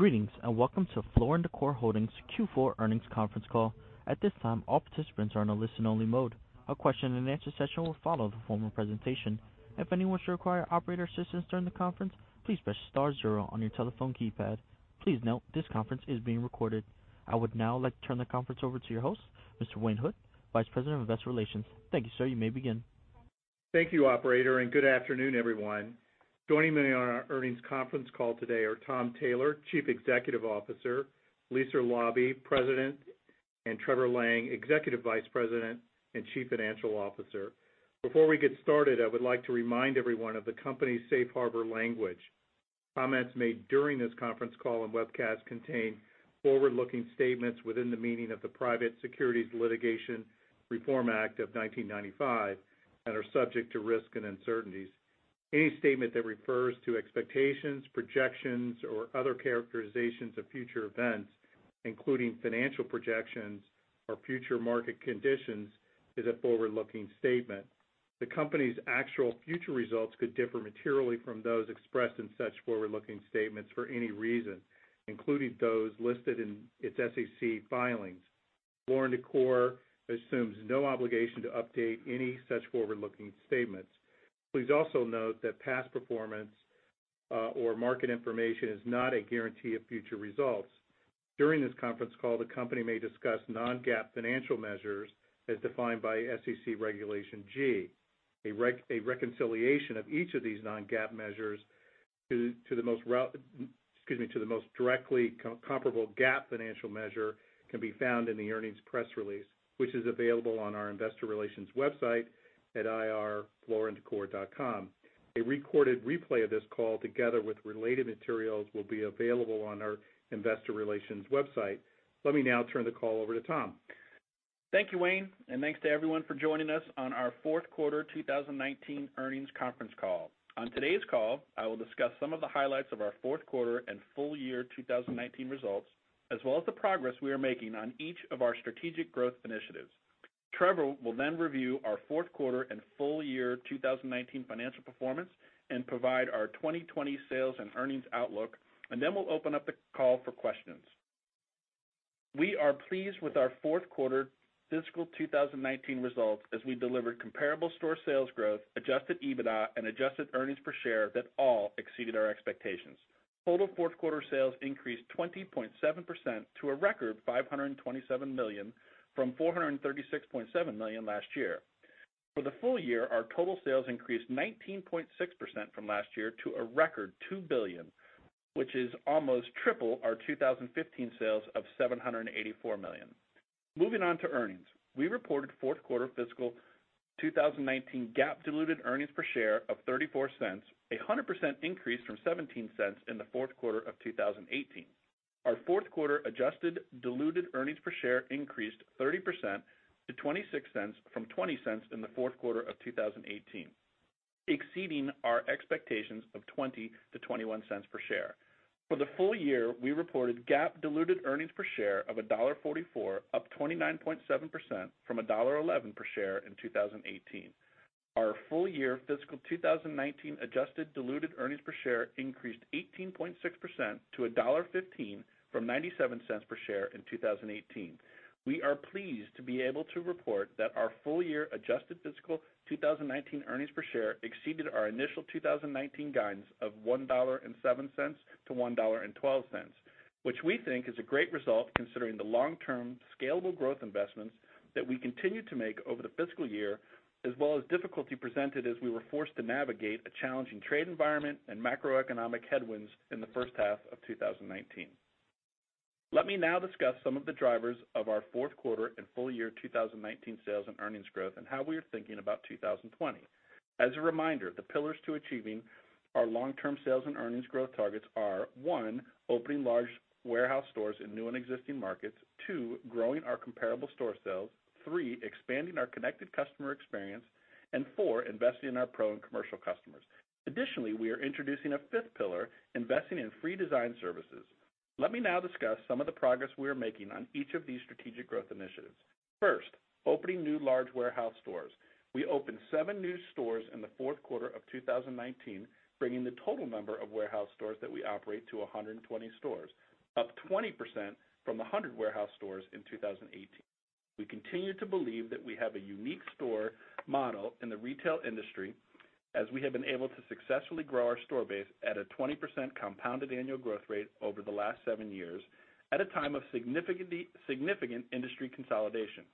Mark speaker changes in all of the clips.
Speaker 1: Greetings, welcome to Floor & Decor Holdings' Q4 earnings conference call. At this time, all participants are in a listen-only mode. A question-and-answer session will follow the formal presentation. If anyone should require operator assistance during the conference, please press star zero on your telephone keypad. Please note this conference is being recorded. I would now like to turn the conference over to your host, Mr. Wayne Hood, Vice President of Investor Relations. Thank you, sir. You may begin.
Speaker 2: Thank you, operator, and good afternoon, everyone. Joining me on our earnings conference call today are Tom Taylor, Chief Executive Officer, Lisa Laube, President, and Trevor Lang, Executive Vice President and Chief Financial Officer. Before we get started, I would like to remind everyone of the company's safe harbor language. Comments made during this conference call and webcast contain forward-looking statements within the meaning of the Private Securities Litigation Reform Act of 1995 and are subject to risk and uncertainties. Any statement that refers to expectations, projections, or other characterizations of future events, including financial projections or future market conditions, is a forward-looking statement. The company's actual future results could differ materially from those expressed in such forward-looking statements for any reason, including those listed in its SEC filings. Floor & Decor assumes no obligation to update any such forward-looking statements. Please also note that past performance or market information is not a guarantee of future results. During this conference call, the company may discuss non-GAAP financial measures as defined by SEC Regulation G. A reconciliation of each of these non-GAAP measures to the most directly comparable GAAP financial measure can be found in the earnings press release, which is available on our investor relations website at ir.flooranddecor.com. A recorded replay of this call together with related materials will be available on our investor relations website. Let me now turn the call over to Tom.
Speaker 3: Thank you, Wayne, and thanks to everyone for joining us on our fourth quarter 2019 earnings conference call. On today's call, I will discuss some of the highlights of our fourth quarter and full year 2019 results, as well as the progress we are making on each of our strategic growth initiatives. Trevor will then review our fourth quarter and full year 2019 financial performance and provide our 2020 sales and earnings outlook, and then we'll open up the call for questions. We are pleased with our fourth quarter fiscal 2019 results as we delivered comparable store sales growth, adjusted EBITDA, and adjusted earnings per share that all exceeded our expectations. Total fourth quarter sales increased 20.7% to a record $527 million from $436.7 million last year. For the full year, our total sales increased 19.6% from last year to a record $2 billion, which is almost triple our 2015 sales of $784 million. Moving on to earnings. We reported fourth quarter fiscal 2019 GAAP diluted earnings per share of $0.34, a 100% increase from $0.17 in the fourth quarter of 2018. Our fourth quarter adjusted diluted earnings per share increased 30% to $0.26 from $0.20 in the fourth quarter of 2018, exceeding our expectations of $0.20-$0.21 per share. For the full year, we reported GAAP diluted earnings per share of $1.44, up 29.7% from $1.11 per share in 2018. Our full-year fiscal 2019 adjusted diluted earnings per share increased 18.6%-$1.15 from $0.97 per share in 2018. We are pleased to be able to report that our full-year adjusted fiscal 2019 earnings per share exceeded our initial 2019 guidance of $1.07-$1.12, which we think is a great result considering the long-term scalable growth investments that we continued to make over the fiscal year as well as difficulty presented as we were forced to navigate a challenging trade environment and macroeconomic headwinds in the first half of 2019. Let me now discuss some of the drivers of our fourth quarter and full-year 2019 sales and earnings growth and how we are thinking about 2020. As a reminder, the pillars to achieving our long-term sales and earnings growth targets are, one, opening large warehouse stores in new and existing markets. Two, growing our comparable store sales. Three, expanding our connected customer experience. Four, investing in our pro and commercial customers. Additionally, we are introducing a fifth pillar, investing in free design services. Let me now discuss some of the progress we are making on each of these strategic growth initiatives. First, opening new large warehouse stores. We opened seven new stores in the fourth quarter of 2019, bringing the total number of warehouse stores that we operate to 120 stores, up 20% from 100 warehouse stores in 2018. We continue to believe that we have a unique store model in the retail industry as we have been able to successfully grow our store base at a 20% compounded annual growth rate over the last seven years at a time of significant industry consolidation.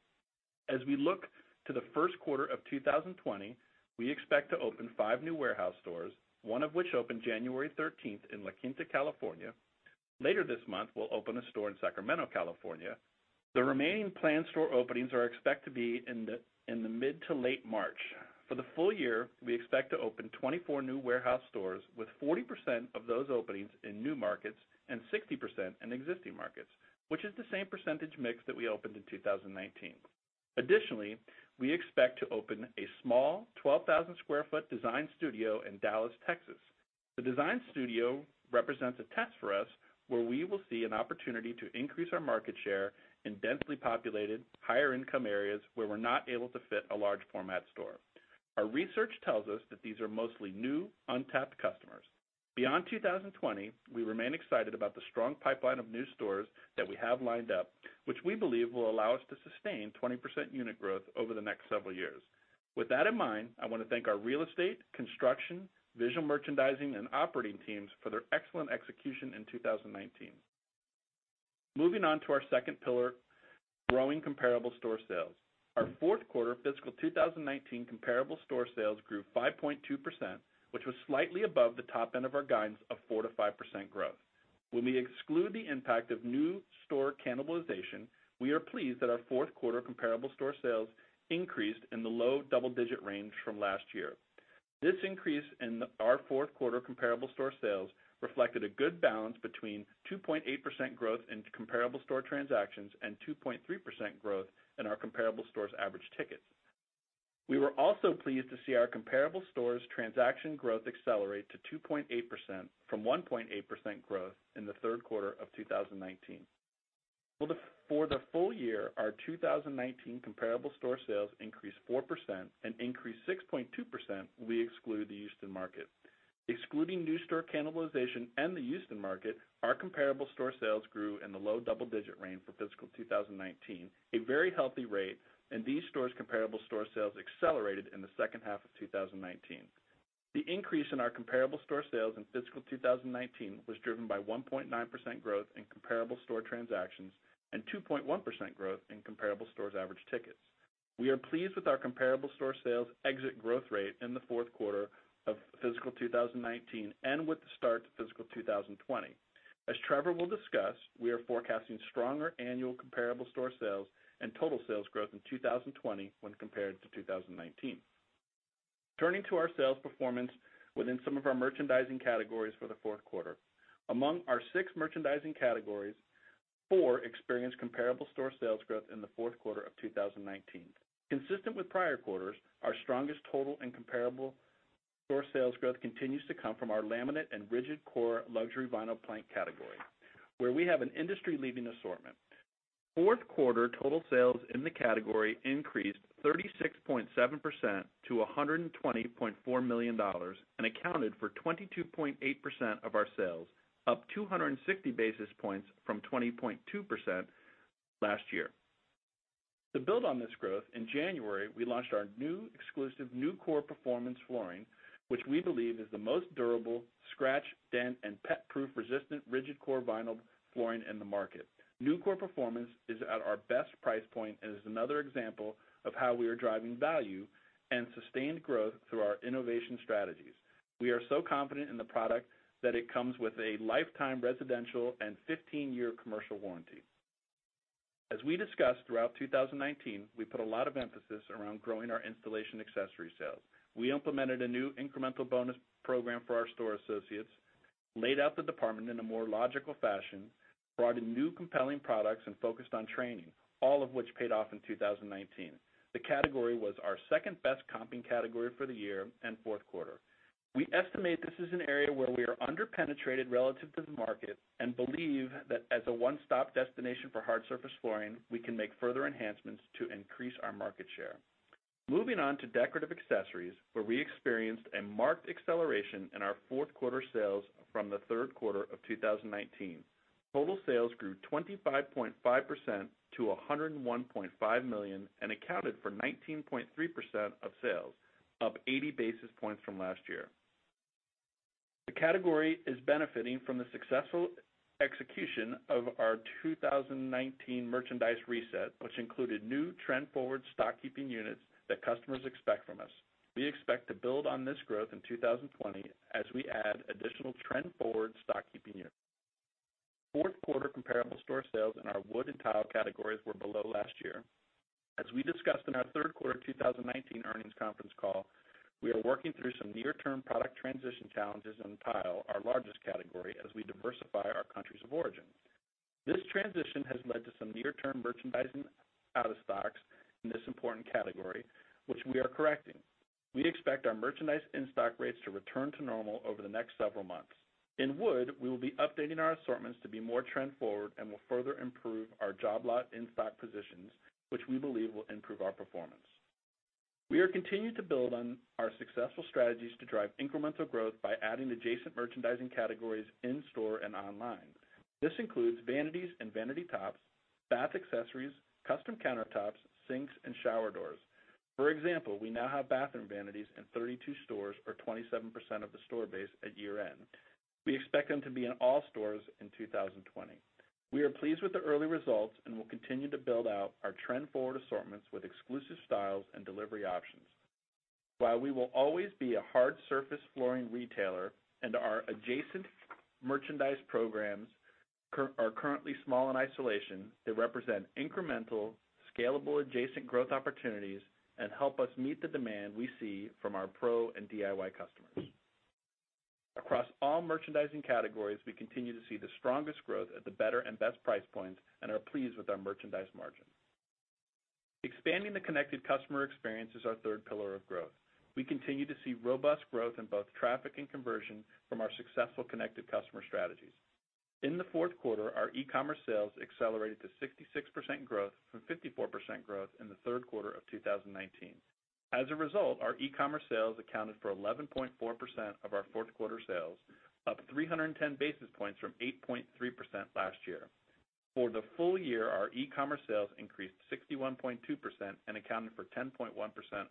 Speaker 3: We look to the first quarter of 2020, we expect to open five new warehouse stores, one of which opened January 13th in La Quinta, California. Later this month, we'll open a store in Sacramento, California. The remaining planned store openings are expected to be in the mid to late March. For the full year, we expect to open 24 new warehouse stores with 40% of those openings in new markets and 60% in existing markets, which is the same percentage mix that we opened in 2019. Additionally, we expect to open a small 12,000 sq ft design studio in Dallas, Texas. The design studio represents a test for us where we will see an opportunity to increase our market share in densely populated, higher income areas where we're not able to fit a large format store. Our research tells us that these are mostly new, untapped customers. Beyond 2020, we remain excited about the strong pipeline of new stores that we have lined up, which we believe will allow us to sustain 20% unit growth over the next several years. With that in mind, I wanna thank our real estate, construction, visual merchandising, and operating teams for their excellent execution in 2019. Moving on to our second pillar, growing comparable store sales. Our fourth quarter fiscal 2019 comparable store sales grew 5.2%, which was slightly above the top end of our guidance of 4%-5% growth. When we exclude the impact of new store cannibalization, we are pleased that our fourth quarter comparable store sales increased in the low double-digit range from last year. This increase in our fourth quarter comparable store sales reflected a good balance between 2.8% growth in comparable store transactions and 2.3% growth in our comparable stores average tickets. We were also pleased to see our comparable stores transaction growth accelerate to 2.8% from 1.8% growth in the third quarter of 2019. For the full year, our 2019 comparable store sales increased 4% and increased 6.2%, we exclude the Houston market. Excluding new store cannibalization and the Houston market, our comparable store sales grew in the low double-digit range for fiscal 2019, a very healthy rate, and these stores' comparable store sales accelerated in the second half of 2019. The increase in our comparable store sales in fiscal 2019 was driven by 1.9% growth in comparable store transactions and 2.1% growth in comparable stores average tickets. We are pleased with our comparable store sales exit growth rate in the fourth quarter of fiscal 2019 and with the start to fiscal 2020. As Trevor will discuss, we are forecasting stronger annual comparable store sales and total sales growth in 2020 when compared to 2019. Turning to our sales performance within some of our merchandising categories for the fourth quarter. Among our six merchandising categories, four experienced comparable store sales growth in the fourth quarter of 2019. Consistent with prior quarters, our strongest total and comparable store sales growth continues to come from our laminate and rigid core luxury vinyl plank category, where we have an industry-leading assortment. Fourth quarter total sales in the category increased 36.7% to $120.4 million and accounted for 22.8% of our sales, up 260 basis points from 20.2% last year. To build on this growth, in January, we launched our new exclusive NuCore Performance flooring, which we believe is the most durable scratch, dent, and pet-proof resistant rigid core vinyl flooring in the market. NuCore Performance is at our best price point and is another example of how we are driving value and sustained growth through our innovation strategies. We are so confident in the product that it comes with a lifetime residential and 15-year commercial warranty. As we discussed throughout 2019, we put a lot of emphasis around growing our installation accessory sales. We implemented a new incremental bonus program for our store associates, laid out the department in a more logical fashion, brought in new compelling products, and focused on training, all of which paid off in 2019. The category was our second-best comping category for the year and fourth quarter. We estimate this is an area where we are under-penetrated relative to the market and believe that as a one-stop destination for hard surface flooring, we can make further enhancements to increase our market share. Moving on to decorative accessories, where we experienced a marked acceleration in our fourth quarter sales from the third quarter of 2019. Total sales grew 25.5% to $101.5 million and accounted for 19.3% of sales, up 80 basis points from last year. The category is benefiting from the successful execution of our 2019 merchandised reset, which included new trend forward SKUs that customers expect from us. We expect to build on this growth in 2020 as we add additional trend forward SKUs. Fourth quarter comparable store sales in our wood and tile categories were below last year. As we discussed in our third quarter 2019 earnings conference call, we are working through some near term product transition challenges in tile, our largest category, as we diversify our countries of origin. This transition has led to some near term merchandising out of stocks in this important category, which we are correcting. We expect our merchandise in-stock rates to return to normal over the next several months. In wood, we will be updating our assortments to be more trend forward and will further improve our job lot in-stock positions, which we believe will improve our performance. We are continuing to build on our successful strategies to drive incremental growth by adding adjacent merchandising categories in-store and online. This includes vanities and vanity tops, bath accessories, custom countertops, sinks, and shower doors. For example, we now have bathroom vanities in 32 stores or 27% of the store base at year-end. We expect them to be in all stores in 2020. We are pleased with the early results and will continue to build out our trend forward assortments with exclusive styles and delivery options. While we will always be a hard surface flooring retailer and our adjacent merchandise programs are currently small in isolation, they represent incremental, scalable, adjacent growth opportunities and help us meet the demand we see from our Pro and DIY customers. Across all merchandising categories, we continue to see the strongest growth at the better and best price points and are pleased with our merchandise margin. Expanding the connected customer experience is our third pillar of growth. We continue to see robust growth in both traffic and conversion from our successful connected customer strategies. In the fourth quarter, our e-commerce sales accelerated to 66% growth from 54% growth in the third quarter of 2019. As a result, our e-commerce sales accounted for 11.4% of our fourth quarter sales, up 310 basis points from 8.3% last year. For the full year, our e-commerce sales increased 61.2% and accounted for 10.1%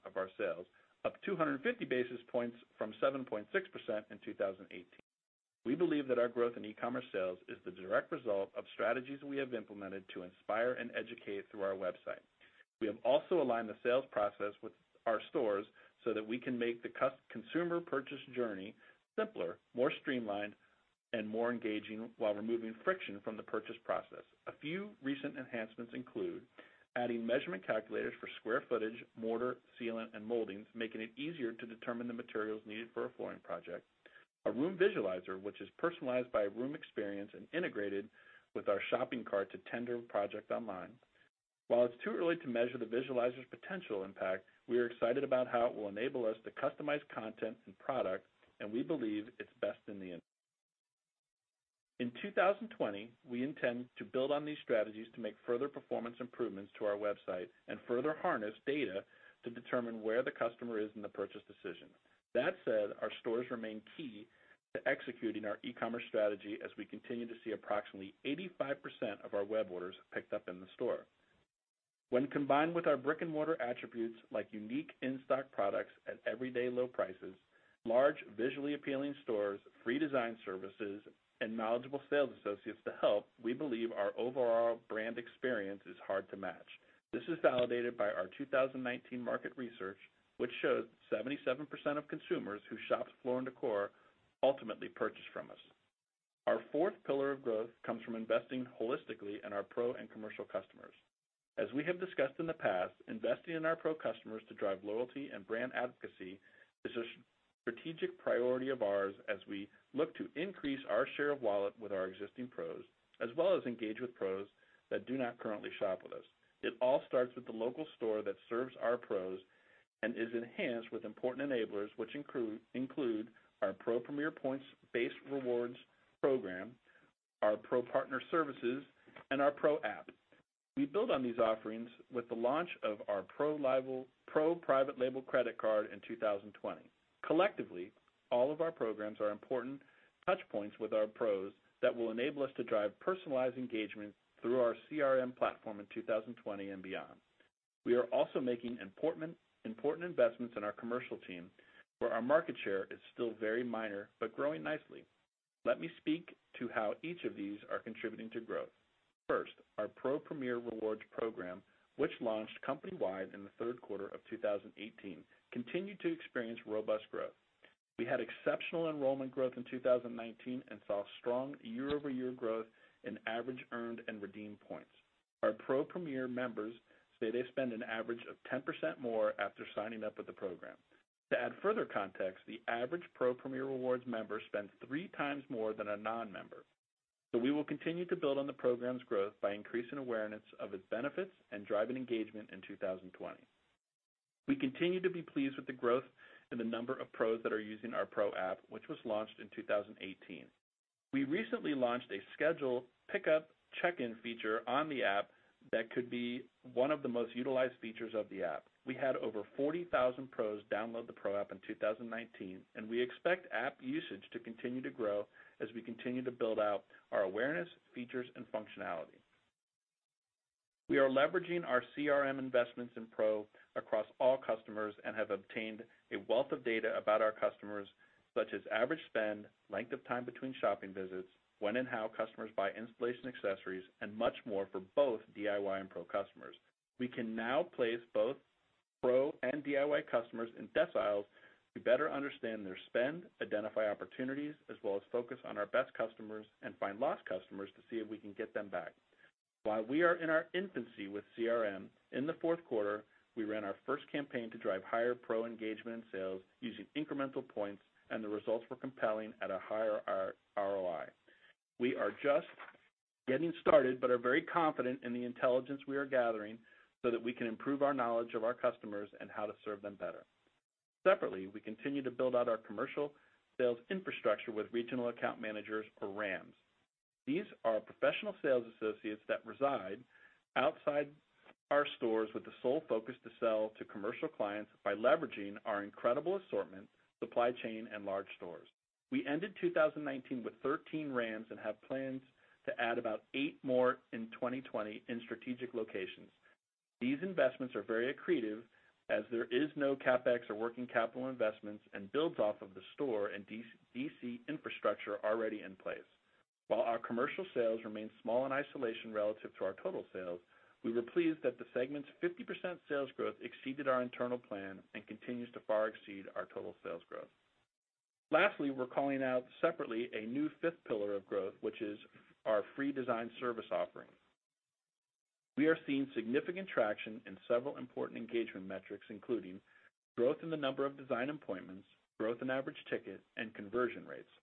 Speaker 3: of our sales, up 250 basis points from 7.6% in 2018. We believe that our growth in e-commerce sales is the direct result of strategies we have implemented to inspire and educate through our website. We have also aligned the sales process with our stores so that we can make the consumer purchase journey simpler, more streamlined, and more engaging while removing friction from the purchase process. A few recent enhancements include: adding measurement calculators for square footage, mortar, sealant, and moldings, making it easier to determine the materials needed for a flooring project; a room visualizer, which is personalized by room experience and integrated with our shopping cart to tender a project online. While it's too early to measure the visualizer's potential impact, we are excited about how it will enable us to customize content and product, and we believe it's best in the industry. In 2020, we intend to build on these strategies to make further performance improvements to our website and further harness data to determine where the customer is in the purchase decision. That said, our stores remain key to executing our e-commerce strategy as we continue to see approximately 85% of our web orders picked up in the store. When combined with our brick-and-mortar attributes like unique in-stock products at everyday low prices, large, visually appealing stores, free design services, and knowledgeable sales associates to help, we believe our overall brand experience is hard to match. This is validated by our 2019 market research, which shows 77% of consumers who shopped Floor & Decor ultimately purchased from us. Our fourth pillar of growth comes from investing holistically in our pro and commercial customers. As we have discussed in the past, investing in our Pro customers to drive loyalty and brand advocacy is a strategic priority of ours as we look to increase our share of wallet with our existing pros, as well as engage with pros that do not currently shop with us. It all starts with the local store that serves our pros and is enhanced with important enablers, which include our Pro Premier Points-based rewards program, our Pro Partner Services, and our Pro app. We build on these offerings with the launch of our Pro private label credit card in 2020. Collectively, all of our programs are important touchpoints with our pros that will enable us to drive personalized engagement through our CRM platform in 2020 and beyond. We are also making important investments in our commercial team, where our market share is still very minor, but growing nicely. Let me speak to how each of these are contributing to growth. First, our Pro Premier Rewards program, which launched company-wide in the third quarter of 2018, continued to experience robust growth. We had exceptional enrollment growth in 2019 and saw strong year-over-year growth in average earned and redeemed points. Our Pro Premier members say they spend an average of 10% more after signing up with the program. To add further context, the average Pro Premier Rewards member spends three times more than a non-member. We will continue to build on the program's growth by increasing awareness of its benefits and driving engagement in 2020. We continue to be pleased with the growth in the number of pros that are using our Pro app, which was launched in 2018. We recently launched a schedule pickup check-in feature on the app that could be one of the most utilized features of the app. We had over 40,000 pros download the Pro app in 2019, and we expect app usage to continue to grow as we continue to build out our awareness, features, and functionality. We are leveraging our CRM investments in Pro across all customers and have obtained a wealth of data about our customers, such as average spend, length of time between shopping visits, when and how customers buy installation accessories, and much more for both DIY and pro customers. We can now place both pro and DIY customers in deciles to better understand their spend, identify opportunities, as well as focus on our best customers and find lost customers to see if we can get them back. While we are in our infancy with CRM, in the fourth quarter, we ran our first campaign to drive higher pro engagement and sales using incremental points, and the results were compelling at a higher ROI. We are just getting started but are very confident in the intelligence we are gathering so that we can improve our knowledge of our customers and how to serve them better. Separately, we continue to build out our commercial sales infrastructure with regional account managers or RAMs. These are professional sales associates that reside outside our stores with the sole focus to sell to commercial clients by leveraging our incredible assortment, supply chain, and large stores. We ended 2019 with 13 RAMs and have plans to add about eight more in 2020 in strategic locations. These investments are very accretive as there is no CapEx or working capital investments and builds off of the store and DC infrastructure already in place. While our commercial sales remain small in isolation relative to our total sales, we were pleased that the segment's 50% sales growth exceeded our internal plan and continues to far exceed our total sales growth. Lastly, we're calling out separately a new fifth pillar of growth, which is our free design service offering. We are seeing significant traction in several important engagement metrics, including growth in the number of design appointments, growth in average ticket, and conversion rates.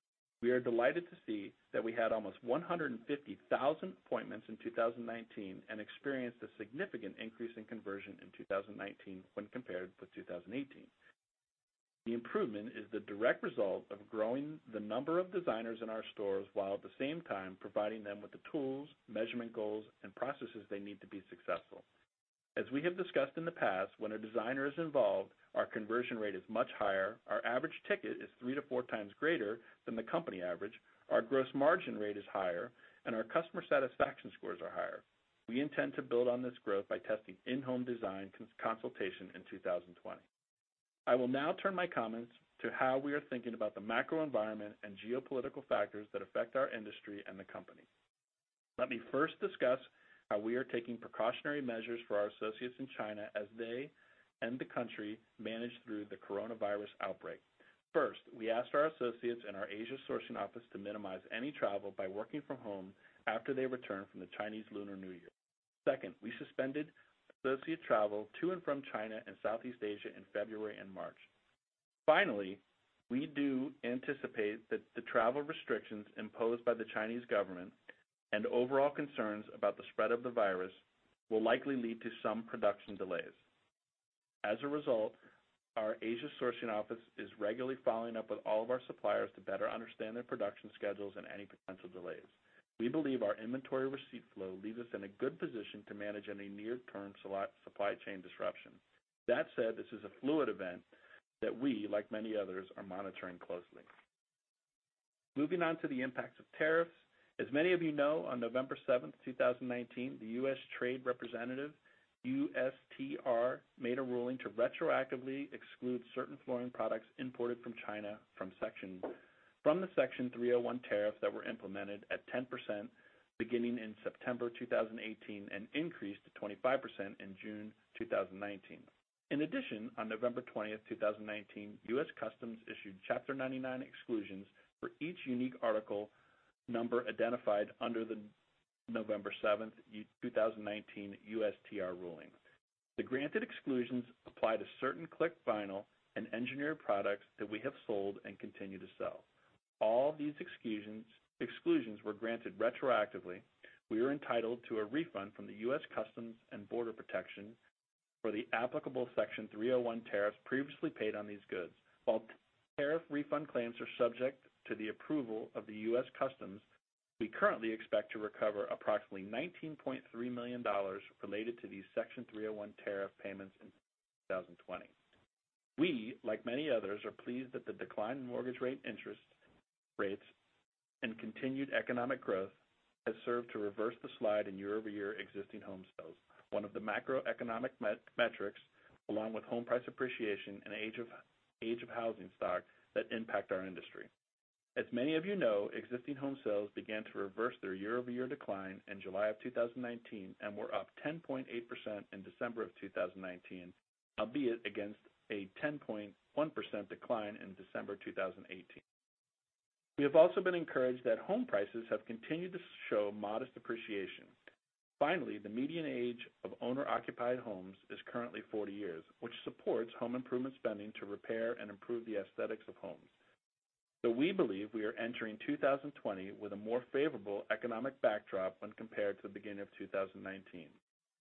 Speaker 3: We are delighted to see that we had almost 150,000 appointments in 2019 and experienced a significant increase in conversion in 2019 when compared with 2018. The improvement is the direct result of growing the number of designers in our stores, while at the same time providing them with the tools, measurement goals, and processes they need to be successful. As we have discussed in the past, when a designer is involved, our conversion rate is much higher, our average ticket is three to four times greater than the company average, our gross margin rate is higher, and our customer satisfaction scores are higher. We intend to build on this growth by testing in-home design consultation in 2020. I will now turn my comments to how we are thinking about the macro environment and geopolitical factors that affect our industry and the company. Let me first discuss how we are taking precautionary measures for our associates in China as they and the country manage through the coronavirus outbreak. First, we asked our associates in our Asia sourcing office to minimize any travel by working from home after they return from the Chinese Lunar New Year. Second, we suspended associate travel to and from China and Southeast Asia in February and March. Finally, we do anticipate that the travel restrictions imposed by the Chinese government and overall concerns about the spread of the virus will likely lead to some production delays. As a result, our Asia sourcing office is regularly following up with all of our suppliers to better understand their production schedules and any potential delays. We believe our inventory receipt flow leaves us in a good position to manage any near-term supply chain disruption. That said, this is a fluid event that we, like many others, are monitoring closely. Moving on to the impacts of tariffs. As many of you know, on November 7, 2019, the United States Trade Representative, USTR, made a ruling to retroactively exclude certain flooring products imported from China from the Section 301 tariffs that were implemented at 10% beginning in September 2018 and increased to 25% in June 2019. In addition, on November 20, 2019, U.S. Customs issued Chapter 99 exclusions for each unique article number identified under the November 7, 2019 USTR ruling. The granted exclusions apply to certain click vinyl and engineered products that we have sold and continue to sell. All these exclusions were granted retroactively. We are entitled to a refund from the U.S. Customs and Border Protection for the applicable Section 301 tariffs previously paid on these goods. While tariff refund claims are subject to the approval of the U.S. Customs, we currently expect to recover approximately $19.3 million related to these Section 301 tariff payments in 2020. We, like many others, are pleased that the decline in mortgage rate interest rates and continued economic growth has served to reverse the slide in year-over-year existing home sales, one of the macroeconomic metrics, along with home price appreciation and age of housing stock, that impact our industry. As many of you know, existing home sales began to reverse their year-over-year decline in July 2019 and were up 10.8% in December 2019, albeit against a 10.1% decline in December 2018. We have also been encouraged that home prices have continued to show modest appreciation. Finally, the median age of owner-occupied homes is currently 40 years, which supports home improvement spending to repair and improve the aesthetics of homes. We believe we are entering 2020 with a more favorable economic backdrop when compared to the beginning of 2019.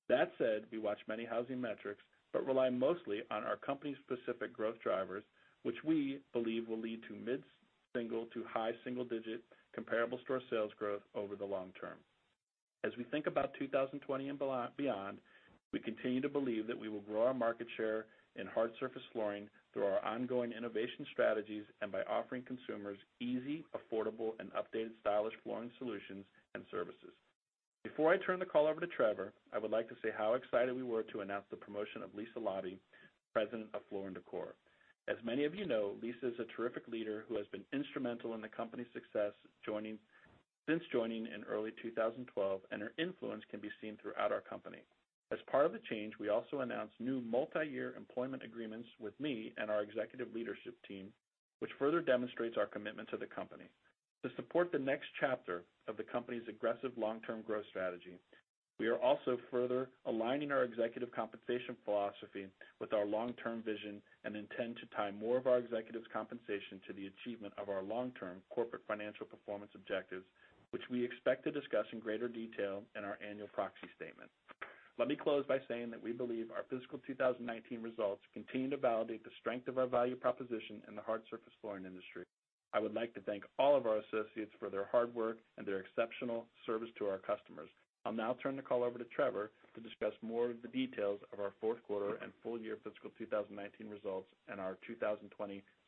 Speaker 3: That said, we watch many housing metrics, but rely mostly on our company's specific growth drivers, which we believe will lead to mid-single to high single-digit comparable store sales growth over the long term. As we think about 2020 and beyond, we continue to believe that we will grow our market share in hard surface flooring through our ongoing innovation strategies and by offering consumers easy, affordable, and updated stylish flooring solutions and services. Before I turn the call over to Trevor, I would like to say how excited we were to announce the promotion of Lisa Laube, President of Floor & Decor. As many of you know, Lisa is a terrific leader who has been instrumental in the company's success since joining in early 2012, and her influence can be seen throughout our company. As part of the change, we also announced new multiyear employment agreements with me and our executive leadership team, which further demonstrates our commitment to the company. To support the next chapter of the company's aggressive long-term growth strategy, we are also further aligning our executive compensation philosophy with our long-term vision and intend to tie more of our executives' compensation to the achievement of our long-term corporate financial performance objectives, which we expect to discuss in greater detail in our annual proxy statement. Let me close by saying that we believe our fiscal 2019 results continue to validate the strength of our value proposition in the hard surface flooring industry. I would like to thank all of our associates for their hard work and their exceptional service to our customers. I'll now turn the call over to Trevor to discuss more of the details of our fourth quarter and full year fiscal 2019 results and our 2020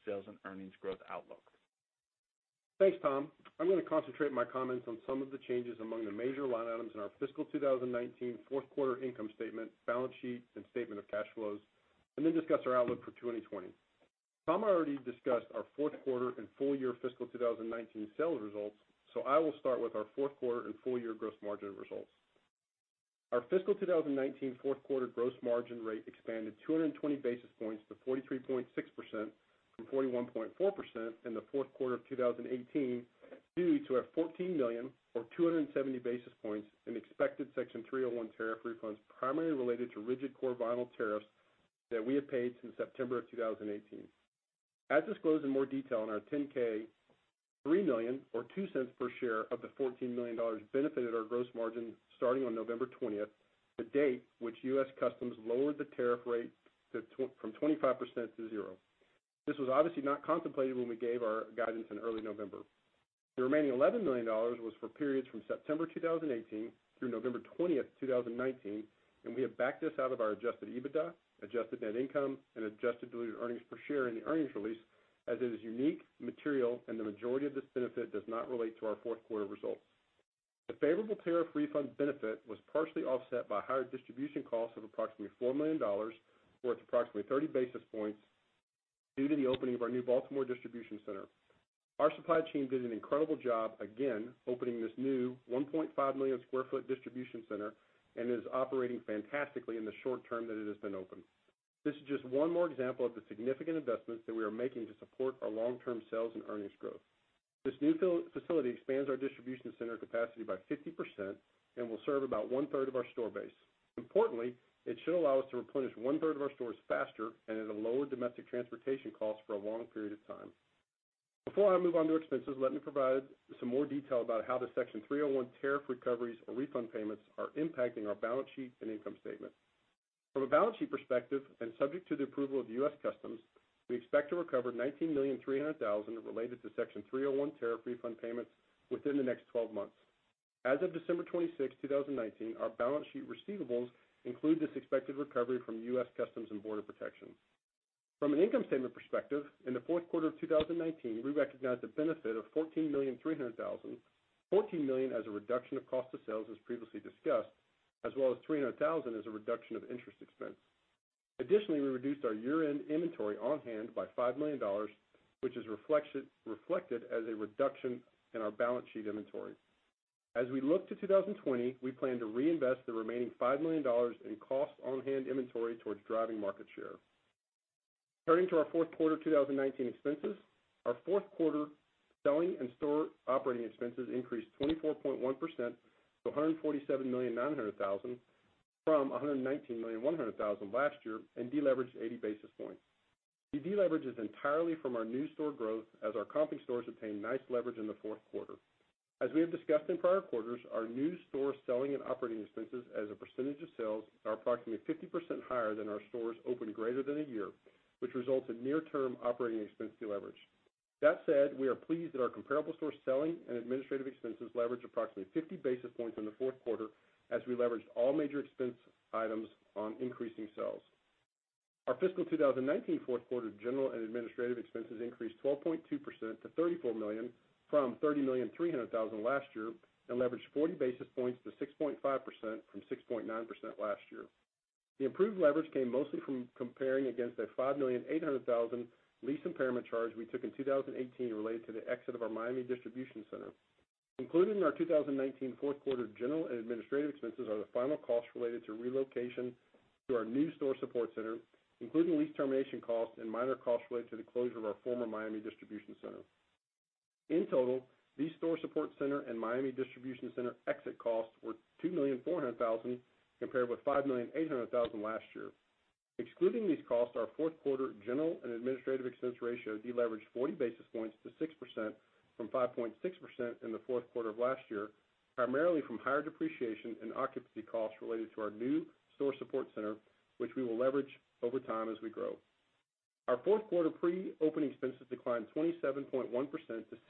Speaker 3: sales and earnings growth outlook.
Speaker 4: Thanks, Tom. I'm gonna concentrate my comments on some of the changes among the major line items in our fiscal 2019 fourth quarter income statement, balance sheets, and statement of cash flows, and then discuss our outlook for 2020. Tom already discussed our fourth quarter and full year fiscal 2019 sales results, I will start with our fourth quarter and full year gross margin results. Our fiscal 2019 fourth quarter gross margin rate expanded 220 basis points to 43.6% from 41.4% in the fourth quarter of 2018 due to our $14 million or 270 basis points in expected Section 301 tariff refunds primarily related to rigid core vinyl tariffs that we have paid since September of 2018. As disclosed in more detail in our 10-K $3 million or $0.02 per share of the $14 million benefited our gross margin starting on November 20th, the date which U.S. Customs lowered the tariff rate to from 25% to zero. This was obviously not contemplated when we gave our guidance in early November. The remaining $11 million was for periods from September 2018 through November 20th, 2019, and we have backed this out of our adjusted EBITDA, adjusted net income, and adjusted diluted earnings per share in the earnings release, as it is unique, material, and the majority of this benefit does not relate to our fourth quarter results. The favorable tariff refund benefit was partially offset by higher distribution costs of approximately $4 million, or approximately 30 basis points due to the opening of our new Baltimore distribution center. Our supply chain did an incredible job again opening this new 1.5 million square foot distribution center and is operating fantastically in the short term that it has been open. This is just one more example of the significant investments that we are making to support our long-term sales and earnings growth. This new facility expands our distribution center capacity by 50% and will serve about one-third of our store base. Importantly, it should allow us to replenish one-third of our stores faster and at a lowered domestic transportation cost for a long period of time. Before I move on to expenses, let me provide some more detail about how the Section 301 tariff recoveries or refund payments are impacting our balance sheet and income statement. From a balance sheet perspective, and subject to the approval of U.S. Customs, we expect to recover $19.3 million related to Section 301 tariff refund payments within the next 12 months. As of December 26, 2019, our balance sheet receivables include this expected recovery from U.S. Customs and Border Protection. From an income statement perspective, in the fourth quarter of 2019, we recognized a benefit of $14.3 million, $14 million as a reduction of cost of sales as previously discussed, as well as $300,000 as a reduction of interest expense. Additionally, we reduced our year-end inventory on hand by $5 million, which is reflected as a reduction in our balance sheet inventory. We look to 2020, we plan to reinvest the remaining $5 million in cost on hand inventory towards driving market share. Turning to our fourth quarter 2019 expenses, our fourth quarter selling and store operating expenses increased 24.1% to $147.9 million from $119.1 million last year and deleveraged 80 basis points. The deleverage is entirely from our new store growth as our comping stores obtained nice leverage in the fourth quarter. As we have discussed in prior quarters, our new store selling and operating expenses as a percentage of sales are approximately 50% higher than our stores open greater than a year, which results in near term operating expense deleverage. That said, we are pleased that our comparable store selling and administrative expenses leveraged approximately 50 basis points in the fourth quarter as we leveraged all major expense items on increasing sales. Our fiscal 2019 fourth quarter general and administrative expenses increased 12.2% to $34 million from $30.3 million last year and leveraged 40 basis points to 6.5% from 6.9% last year. The improved leverage came mostly from comparing against a $5.8 million lease impairment charge we took in 2018 related to the exit of our Miami distribution center. Included in our 2019 fourth quarter general and administrative expenses are the final costs related to relocation to our new store support center, including lease termination costs and minor costs related to the closure of our former Miami distribution center. In total, these store support center and Miami distribution center exit costs were $2.4 million compared with $5.8 million last year. Excluding these costs, our fourth quarter general and administrative expense ratio deleveraged 40 basis points to 6% from 5.6% in the fourth quarter of last year, primarily from higher depreciation and occupancy costs related to our new store support center, which we will leverage over time as we grow. Our fourth quarter pre-opening expenses declined 27.1% to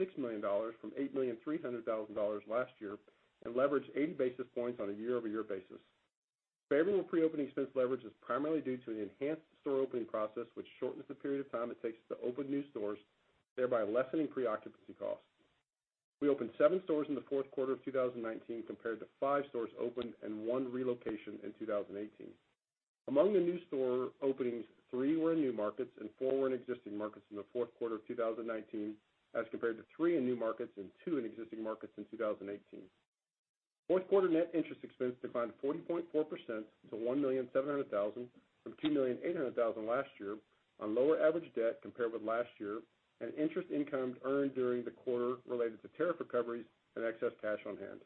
Speaker 4: $6 million from $8.3 million last year and leveraged 80 basis points on a year-over-year basis. Favorable pre-opening expense leverage is primarily due to an enhanced store opening process which shortens the period of time it takes to open new stores, thereby lessening pre-occupancy costs. We opened seven stores in the fourth quarter of 2019 compared to five stores opened and 1 relocation in 2018. Among the new store openings, three were in new markets and four were in existing markets in the fourth quarter of 2019 as compared to three in new markets and two in existing markets in 2018. Fourth quarter net interest expense declined 40.4% to $1.7 million from $2.8 million last year on lower average debt compared with last year and interest income earned during the quarter related to tariff recoveries and excess cash on hand.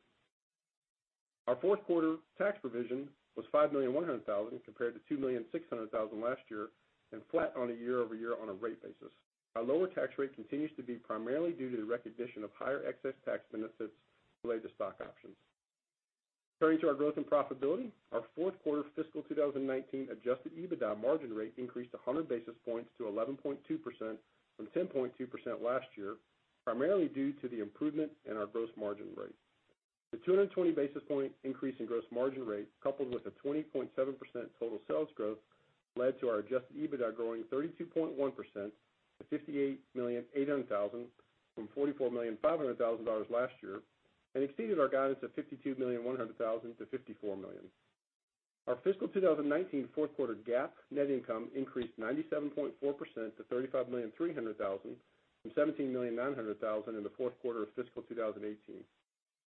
Speaker 4: Our fourth quarter tax provision was $5.1 million compared to $2.6 million last year and flat on a year-over-year on a rate basis. Our lower tax rate continues to be primarily due to the recognition of higher excess tax benefits related to stock options. Turning to our growth and profitability, our fourth quarter fiscal 2019 adjusted EBITDA margin rate increased 100 basis points to 11.2% from 10.2% last year, primarily due to the improvement in our gross margin rate. The 220 basis point increase in gross margin rate coupled with a 20.7% total sales growth led to our adjusted EBITDA growing 32.1% to $58.8 million from $44.5 million last year and exceeded our guidance of $52.1 million-$54 million. Our fiscal 2019 fourth quarter GAAP net income increased 97.4% to $35.3 million from $17.9 million in the fourth quarter of fiscal 2018.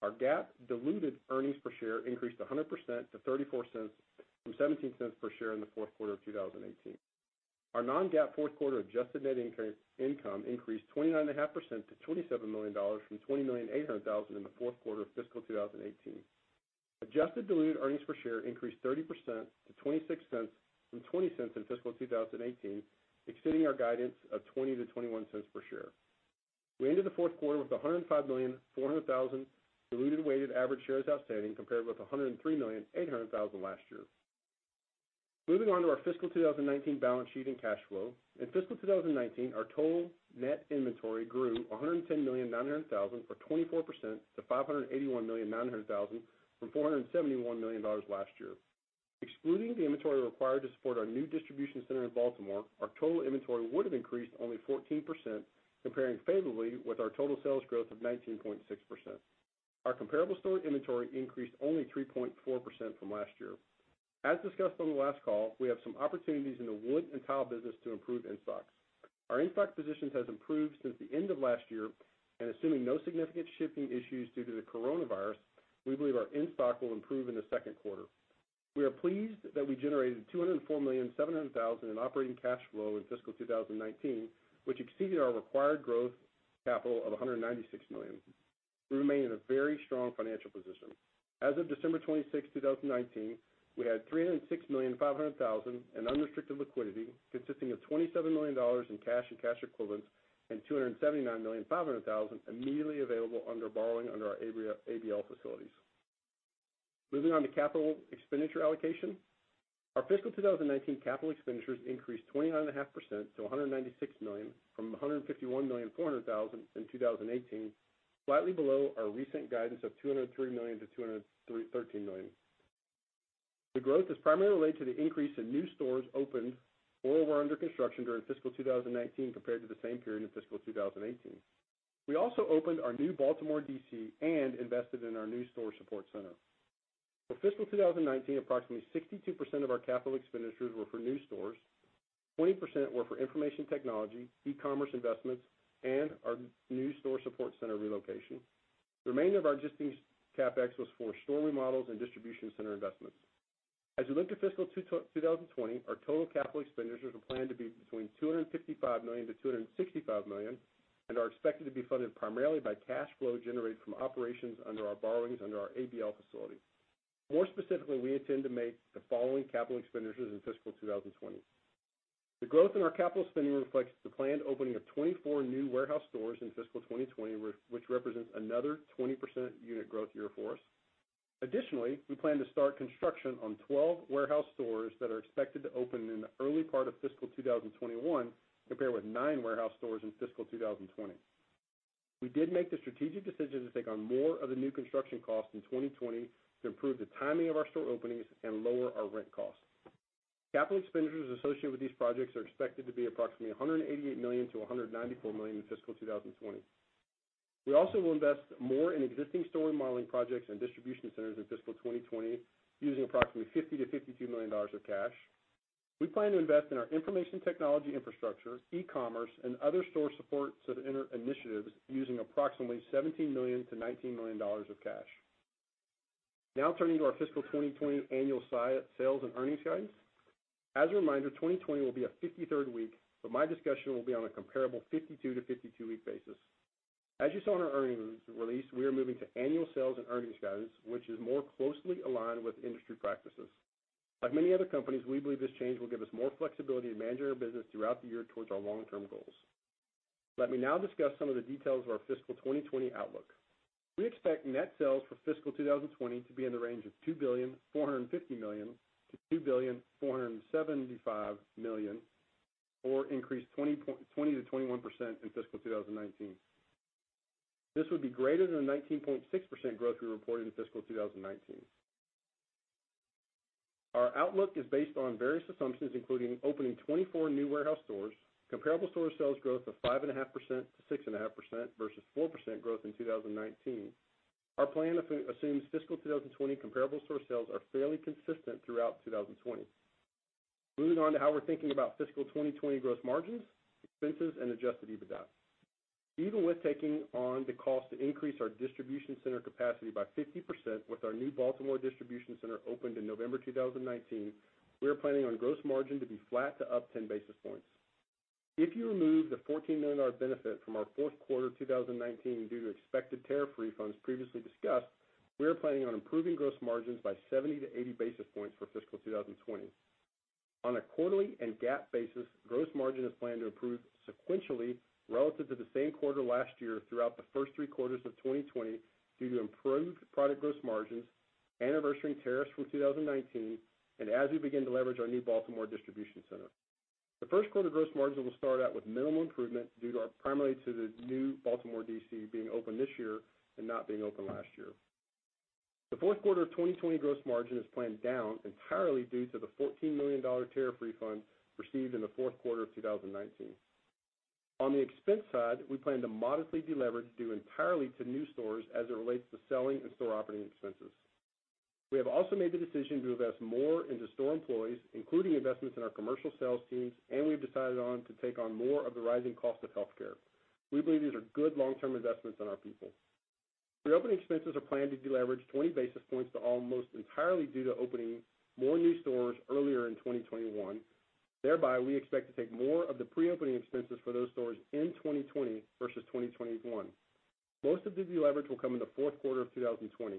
Speaker 4: Our GAAP diluted earnings per share increased 100% to $0.34 from $0.17 per share in the fourth quarter of 2018. Our non-GAAP fourth quarter adjusted net income increased 29.5% to $27 million from $20.8 million in the fourth quarter of fiscal 2018. Adjusted diluted earnings per share increased 30% to $0.26 from $0.20 in fiscal 2018, exceeding our guidance of $0.20-$0.21 per share. We ended the fourth quarter with 105.4 million diluted weighted average shares outstanding compared with 103.8 million last year. Moving on to our fiscal 2019 balance sheet and cash flow. In fiscal 2019, our total net inventory grew $110.9 million or 24% to $581.9 million from $471 million last year. Excluding the inventory required to support our new distribution center in Baltimore, our total inventory would have increased only 14%, comparing favorably with our total sales growth of 19.6%. Our comparable store inventory increased only 3.4% from last year. As discussed on the last call, we have some opportunities in the wood and tile business to improve in-stocks. Our in-stock positions has improved since the end of last year. Assuming no significant shipping issues due to the coronavirus, we believe our in-stock will improve in the second quarter. We are pleased that we generated $204.7 million in operating cash flow in fiscal 2019, which exceeded our required growth capital of $196 million. We remain in a very strong financial position. As of December 26, 2019, we had $306.5 million in unrestricted liquidity, consisting of $27 million in cash and cash equivalents and $279.5 million immediately available under borrowing under our ABL facilities. Moving on to capital expenditure allocation. Our fiscal 2019 capital expenditures increased 29.5% to $196 million from $151.4 million in 2018, slightly below our recent guidance of $203 million-$213 million. The growth is primarily related to the increase in new stores opened or were under construction during fiscal 2019 compared to the same period in fiscal 2018. We also opened our new Baltimore D.C. and invested in our new store support center. For fiscal 2019, approximately 62% of our capital expenditures were for new stores, 20% were for information technology, e-commerce investments, and our new store support center relocation. The remainder of our existing CapEx was for store remodels and distribution center investments. As we look to fiscal 2020, our total capital expenditures are planned to be between $255 million-$265 million and are expected to be funded primarily by cash flow generated from operations under our borrowings under our ABL facility. More specifically, we intend to make the following capital expenditures in fiscal 2020. The growth in our capital spending reflects the planned opening of 24 new warehouse stores in fiscal 2020, which represents another 20% unit growth year for us. Additionally, we plan to start construction on 12 warehouse stores that are expected to open in the early part of fiscal 2021, compared with nine warehouse stores in fiscal 2020. We did make the strategic decision to take on more of the new construction costs in 2020 to improve the timing of our store openings and lower our rent costs. Capital expenditures associated with these projects are expected to be approximately $188 million-$194 million in fiscal 2020. We also will invest more in existing store remodeling projects and distribution centers in fiscal 2020, using approximately $50 million-$52 million of cash. We plan to invest in our information technology infrastructure, e-commerce, and other store support center initiatives using approximately $17 million-$19 million of cash. Turning to our fiscal 2020 annual sales and earnings guidance. As a reminder, 2020 will be a 53rd week, my discussion will be on a comparable 52-52 week basis. As you saw in our earnings release, we are moving to annual sales and earnings guidance, which is more closely aligned with industry practices. Like many other companies, we believe this change will give us more flexibility to manage our business throughout the year towards our long-term goals. Let me now discuss some of the details of our fiscal 2020 outlook. We expect net sales for fiscal 2020 to be in the range of $2.45 billion-$2.475 billion, or increase 20%-21% in fiscal 2019. This would be greater than the 19.6% growth we reported in fiscal 2019. Our outlook is based on various assumptions, including opening 24 new warehouse stores, comparable store sales growth of 5.5%-6.5% versus 4% growth in 2019. Our plan assumes fiscal 2020 comparable store sales are fairly consistent throughout 2020. Moving on to how we're thinking about fiscal 2020 gross margins, expenses, and adjusted EBITDA. Even with taking on the cost to increase our distribution center capacity by 50% with our new Baltimore distribution center opened in November 2019, we are planning on gross margin to be flat to up 10 basis points. If you remove the $14 million benefit from our fourth quarter 2019 due to expected tariff refunds previously discussed, we are planning on improving gross margins by 70 to 80 basis points for fiscal 2020. On a quarterly and GAAP basis, gross margin is planned to improve sequentially relative to the same quarter last year throughout the first three quarters of 2020 due to improved product gross margins, anniversarying tariffs from 2019, and as we begin to leverage our new Baltimore distribution center. The first quarter gross margin will start out with minimal improvement due primarily to the new Baltimore DC being open this year and not being open last year. The fourth quarter of 2020 gross margin is planned down entirely due to the $14 million tariff refund received in the fourth quarter of 2019. On the expense side, we plan to modestly deleverage due entirely to new stores as it relates to selling and store operating expenses. We have also made the decision to invest more into store employees, including investments in our commercial sales teams, and we have decided to take on more of the rising cost of healthcare. We believe these are good long-term investments in our people. Pre-opening expenses are planned to deleverage 20 basis points to almost entirely due to opening more new stores earlier in 2021. We expect to take more of the pre-opening expenses for those stores in 2020 versus 2021. Most of the leverage will come in the fourth quarter of 2020.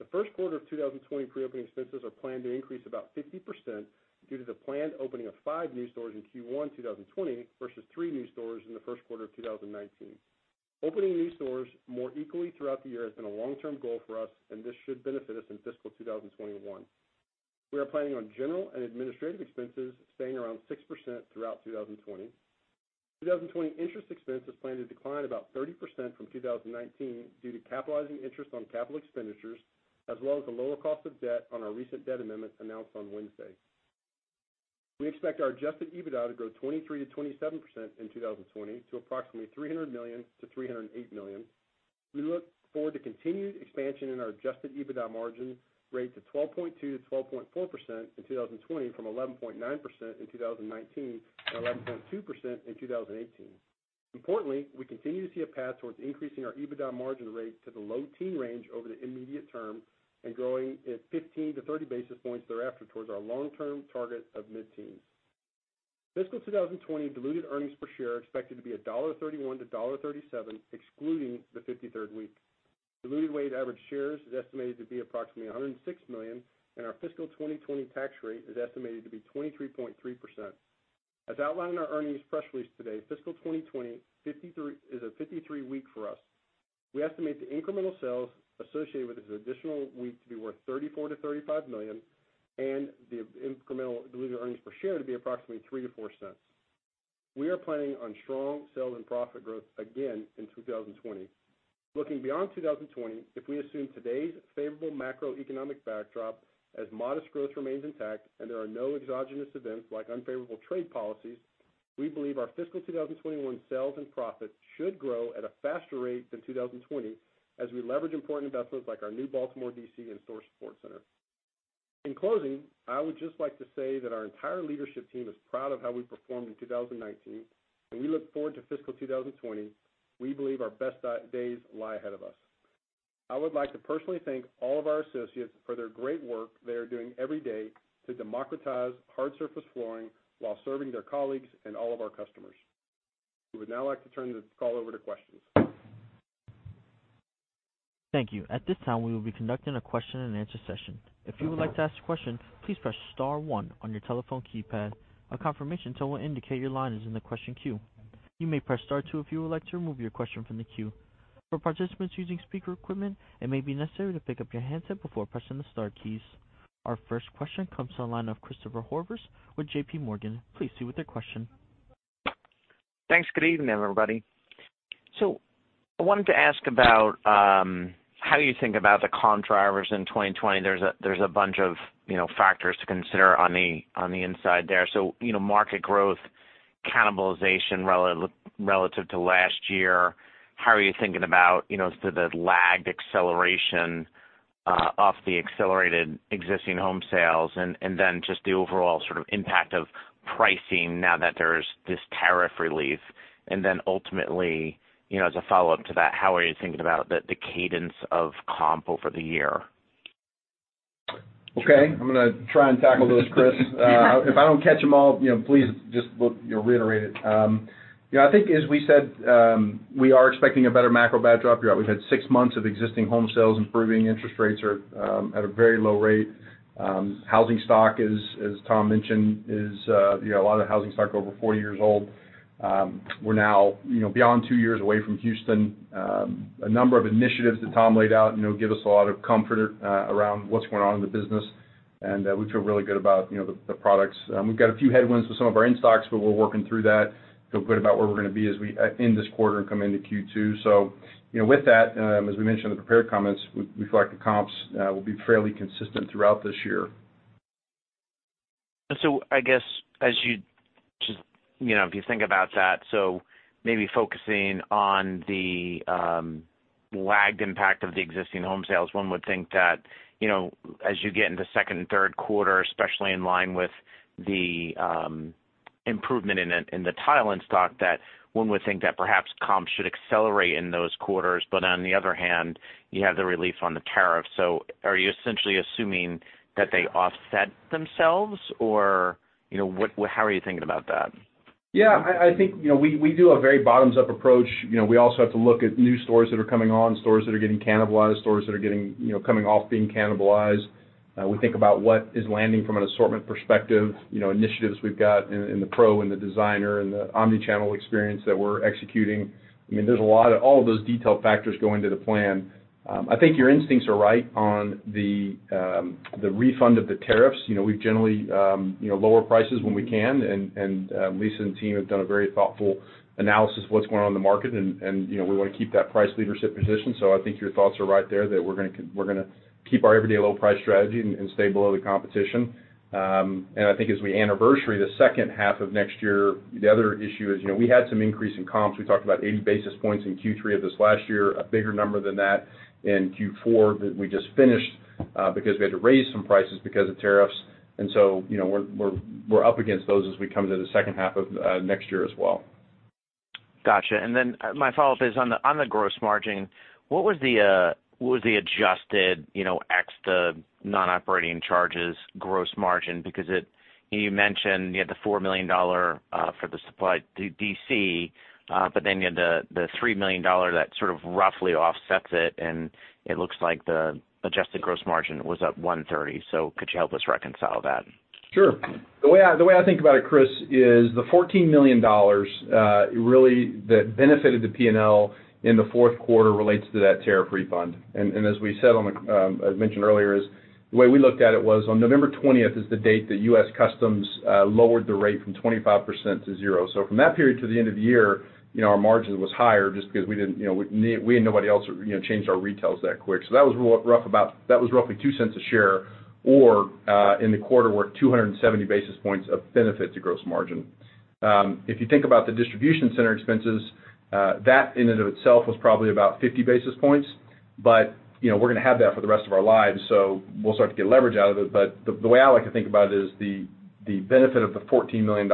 Speaker 4: The first quarter of 2020 pre-opening expenses are planned to increase about 50% due to the planned opening of five new stores in Q1 2020 versus three new stores in the first quarter of 2019. Opening new stores more equally throughout the year has been a long-term goal for us, and this should benefit us in fiscal 2021. We are planning on general and administrative expenses staying around 6% throughout 2020. 2020 interest expense is planned to decline about 30% from 2019 due to capitalizing interest on CapEx as well as the lower cost of debt on our recent debt amendment announced on Wednesday. We expect our adjusted EBITDA to grow 23%-27% in 2020 to approximately $300 million-$308 million. We look forward to continued expansion in our adjusted EBITDA margin rate to 12.2%-12.4% in 2020 from 11.9% in 2019 and 11.2% in 2018. Importantly, we continue to see a path towards increasing our EBITDA margin rate to the low teen range over the immediate term and growing at 15-30 basis points thereafter towards our long-term target of mid-teens. Fiscal 2020 diluted earnings per share are expected to be $1.31-$1.37, excluding the 53rd week. Diluted weighted average shares is estimated to be approximately 106 million, and our fiscal 2020 tax rate is estimated to be 23.3%. As outlined in our earnings press release today, fiscal 2020 is a 53-week for us. We estimate the incremental sales associated with this additional week to be worth $34 million-$35 million, and the incremental diluted earnings per share to be approximately $0.03-$0.04. We are planning on strong sales and profit growth again in 2020. Looking beyond 2020, if we assume today's favorable macroeconomic backdrop as modest growth remains intact and there are no exogenous events like unfavorable trade policies, we believe our fiscal 2021 sales and profit should grow at a faster rate than 2020 as we leverage important investments like our new Baltimore DC and store support center. In closing, I would just like to say that our entire leadership team is proud of how we performed in 2019, and we look forward to fiscal 2020. We believe our best days lie ahead of us. I would like to personally thank all of our associates for their great work they are doing every day to democratize hard surface flooring while serving their colleagues and all of our customers. We would now like to turn the call over to questions.
Speaker 1: Thank you. At this time, we will be conducting a question-and-answer session. If you would like to ask a question, please press star one on your telephone keypad. A confirmation tone will indicate your line is in the question queue. You may press star two if you would like to remove your question from the queue. For participants using speaker equipment, it may be necessary to pick up your handset before pressing the star keys. Our first question comes to the line of Christopher Horvers with JPMorgan. Please proceed with your question.
Speaker 5: Thanks. Good evening, everybody. I wanted to ask about how you think about the comp drivers in 2020. There's a bunch of, you know, factors to consider on the inside there. You know, market growth, cannibalization relative to last year. How are you thinking about, you know, sort of the lagged acceleration off the accelerated existing home sales and then just the overall sort of impact of pricing now that there's this tariff relief? Ultimately, you know, as a follow-up to that, how are you thinking about the cadence of comp over the year?
Speaker 4: Okay. I'm gonna try and tackle those, Chris. If I don't catch them all, you know, please just reiterate it. You know, I think as we said, we are expecting a better macro backdrop. You know, we've had six months of existing home sales, improving interest rates are at a very low rate. Housing stock, as Tom Taylor mentioned, is, you know, a lot of the housing stock over 40 years old. We're now, you know, beyond two years away from Houston. A number of initiatives that Tom Taylor laid out, you know, give us a lot of comfort around what's going on in the business, and we feel really good about, you know, the products. We've got a few headwinds with some of our in-stocks, but we're working through that. Feel good about where we're gonna be as we end this quarter and come into Q2. You know, with that, as we mentioned in the prepared comments, we feel like the comps will be fairly consistent throughout this year.
Speaker 5: I guess as you just, you know, if you think about that, maybe focusing on the lagged impact of the existing home sales, one would think that, you know, as you get into second and third quarter, especially in line with the improvement in the tile in-stock, that one would think that perhaps comps should accelerate in those quarters. On the other hand, you have the relief on the tariff. Are you essentially assuming that they offset themselves, or, you know, what, how are you thinking about that?
Speaker 4: Yeah, I think, you know, we do a very bottoms-up approach. You know, we also have to look at new stores that are coming on, stores that are getting cannibalized, stores that are getting, you know, coming off being cannibalized. We think about what is landing from an assortment perspective, you know, initiatives we've got in the pro and the designer and the omni-channel experience that we're executing. I mean, there's a lot. All of those detailed factors go into the plan. I think your instincts are right on the refund of the tariffs. You know, we've generally, you know, lower prices when we can, and, Lisa and team have done a very thoughtful analysis of what's going on in the market and, you know, we wanna keep that price leadership position. I think your thoughts are right there, that we're gonna keep our everyday low price strategy and stay below the competition. I think as we anniversary the second half of next year, the other issue is, you know, we had some increase in comps. We talked about 80 basis points in Q3 of this last year, a bigger number than that in Q4 that we just finished, because we had to raise some prices because of tariffs. You know, we're up against those as we come to the second half of next year as well.
Speaker 5: Gotcha. My follow-up is on the, on the gross margin, what was the adjusted, you know, ex the non-operating charges gross margin? You mentioned you had the $4 million for the supply DC, but then you had the $3 million that sort of roughly offsets it, and it looks like the adjusted gross margin was up 130. Could you help us reconcile that?
Speaker 4: Sure. The way I think about it, Christopher, is the $14 million really that benefited the P&L in the fourth quarter relates to that tariff refund. As we said on the, as mentioned earlier, is the way we looked at it was on November 20th is the date that U.S. Customs lowered the rate from 25% to zero. From that period to the end of the year, you know, our margin was higher just because we didn't, you know, we and nobody else, you know, changed our retails that quick. That was roughly $0.02 a share or in the quarter worth 270 basis points of benefit to gross margin. If you think about the distribution center expenses, that in and of itself was probably about 50 basis points. You know, we're gonna have that for the rest of our lives, so we'll start to get leverage out of it. The way I like to think about it is the benefit of the $14 million,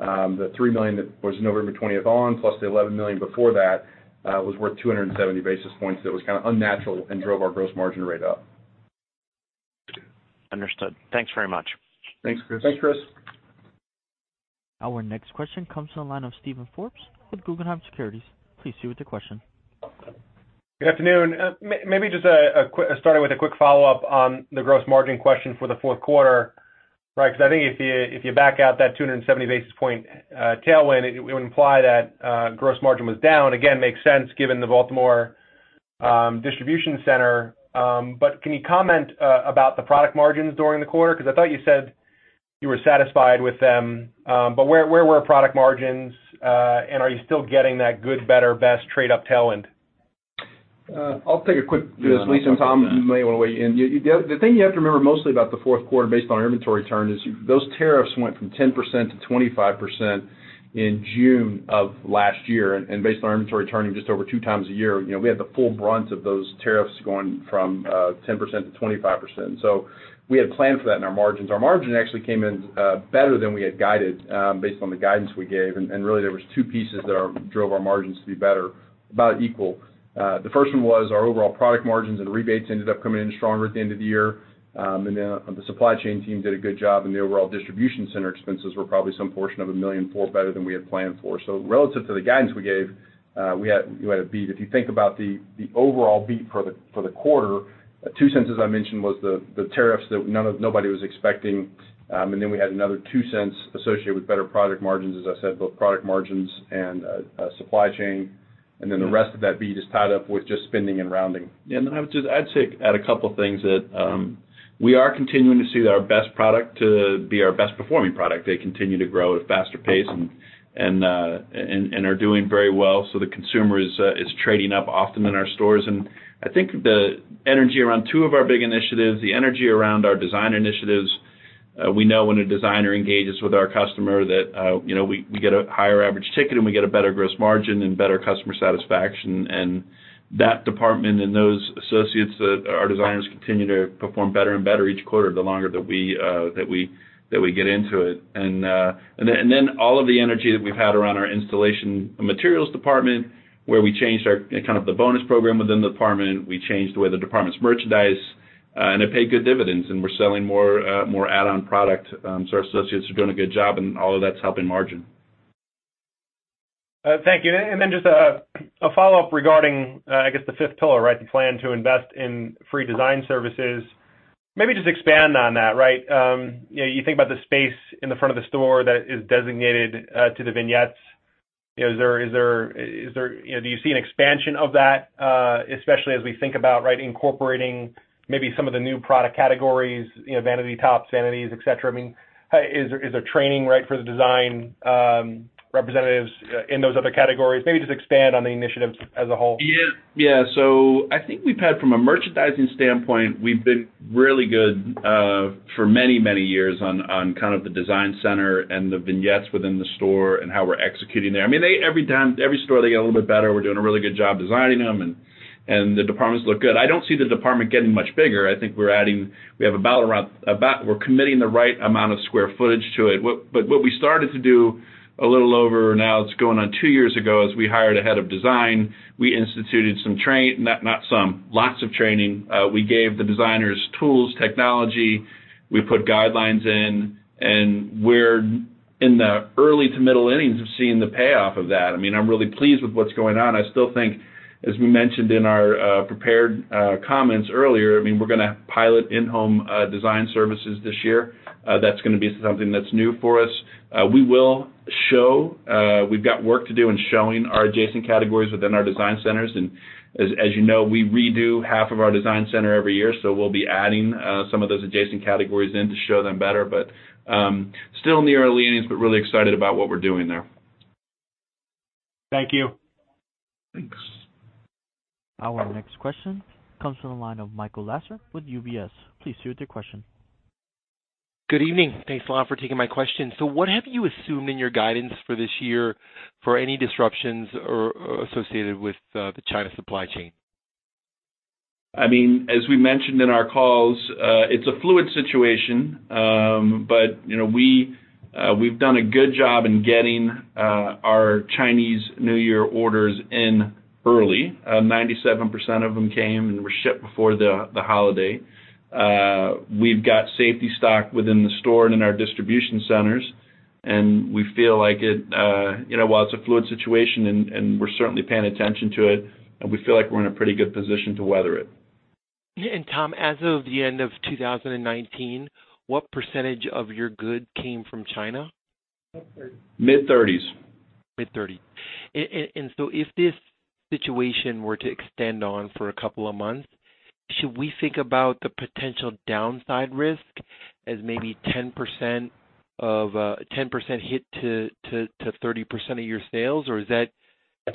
Speaker 4: the $3 million that was November 20th on, plus the $11 million before that, was worth 270 basis points that was kind of unnatural and drove our gross margin rate up.
Speaker 5: Understood. Thanks very much.
Speaker 4: Thanks, Chris.
Speaker 3: Thanks, Chris.
Speaker 1: Our next question comes from the line of Steven Forbes with Guggenheim Securities. Please proceed with your question.
Speaker 6: Good afternoon. Maybe just a quick follow-up on the gross margin question for the fourth quarter, right? I think if you back out that 270 basis point tailwind, it would imply that gross margin was down. Again, makes sense given the Baltimore distribution center. Can you comment about the product margins during the quarter? I thought you said you were satisfied with them. Where were product margins, and are you still getting that good, better, best trade up tailwind?
Speaker 4: Uh, I'll take a quick-
Speaker 3: Yeah.
Speaker 4: Lisa and Tom, you may wanna weigh in. The thing you have to remember mostly about the fourth quarter based on our inventory turn is those tariffs went from 10%-25% in June of last year. Based on our inventory turning just over two times a year, you know, we had the full brunt of those tariffs going from 10%-25%. We had planned for that in our margins. Our margin actually came in better than we had guided based on the guidance we gave. Really, there was two pieces that drove our margins to be better, about equal. The first one was our overall product margins and rebates ended up coming in stronger at the end of the year. The supply chain team did a good job, and the overall distribution center expenses were probably some portion of $1.4 million better than we had planned for. Relative to the guidance we gave, we had a beat. If you think about the overall beat for the quarter, $0.02, as I mentioned, was the tariffs that nobody was expecting. We had another $0.02 associated with better product margins, as I said, both product margins and supply chain. The rest of that beat is tied up with just spending and rounding.
Speaker 3: Yeah. I'd say, add a couple things that we are continuing to see our best product to be our best performing product. They continue to grow at faster pace and are doing very well. The consumer is trading up often in our stores. I think the energy around two of our big initiatives, the energy around our design initiatives, we know when a designer engages with our customer that, you know, we get a higher average ticket and we get a better gross margin and better customer satisfaction. That department and those associates that are designers continue to perform better and better each quarter the longer that we get into it. All of the energy that we've had around our installation materials department, where we changed our kind of the bonus program within the department, we changed the way the department's merchandise, and it paid good dividends, and we're selling more, more add-on product. Our associates are doing a good job, and all of that's helping margin.
Speaker 6: Thank you. Just a follow-up regarding, I guess the fifth pillar, right? The plan to invest in free design services. Maybe just expand on that, right. You know, you think about the space in the front of the store that is designated to the vignettes. You know, is there, you know, do you see an expansion of that, especially as we think about, right, incorporating maybe some of the new product categories, you know, vanity tops, vanities, et cetera? I mean, is there, is there training, right, for the design representatives in those other categories? Maybe just expand on the initiatives as a whole.
Speaker 3: Yeah. Yeah. I think we've had from a merchandising standpoint, we've been really good for many, many years on kind of the design center and the vignettes within the store and how we're executing there. I mean, every store, they get a little bit better. We're doing a really good job designing them and the departments look good. I don't see the department getting much bigger. I think we're committing the right amount of square footage to it. What we started to do a little over, now it's going on two years ago, is we hired a head of design. We instituted lots of training. We gave the designers tools, technology, we put guidelines in, and we're in the early to middle innings of seeing the payoff of that. I mean, I'm really pleased with what's going on. I still think, as we mentioned in our prepared comments earlier, I mean, we're gonna pilot in-home design services this year. That's gonna be something that's new for us. We will show, we've got work to do in showing our adjacent categories within our design centers. As you know, we redo half of our design center every year, so we'll be adding some of those adjacent categories in to show them better. Still in the early innings, but really excited about what we're doing there.
Speaker 6: Thank you.
Speaker 3: Thanks.
Speaker 1: Our next question comes from the line of Michael Lasser with UBS. Please proceed with your question.
Speaker 7: Good evening. Thanks a lot for taking my question. What have you assumed in your guidance for this year for any disruptions or associated with the China supply chain?
Speaker 3: I mean, as we mentioned in our calls, it's a fluid situation. You know, we've done a good job in getting our Chinese New Year orders in early. 97% of them came and were shipped before the holiday. We've got safety stock within the store and in our distribution centers, and we feel like it, you know, while it's a fluid situation and we're certainly paying attention to it, we feel like we're in a pretty good position to weather it.
Speaker 7: Tom, as of the end of 2019, what percentage of your goods came from China?
Speaker 3: Mid-30s.
Speaker 7: Mid-30s. If this situation were to extend on for a couple of months, should we think about the potential downside risk as maybe 10% of 10% hit to 30% of your sales, or is that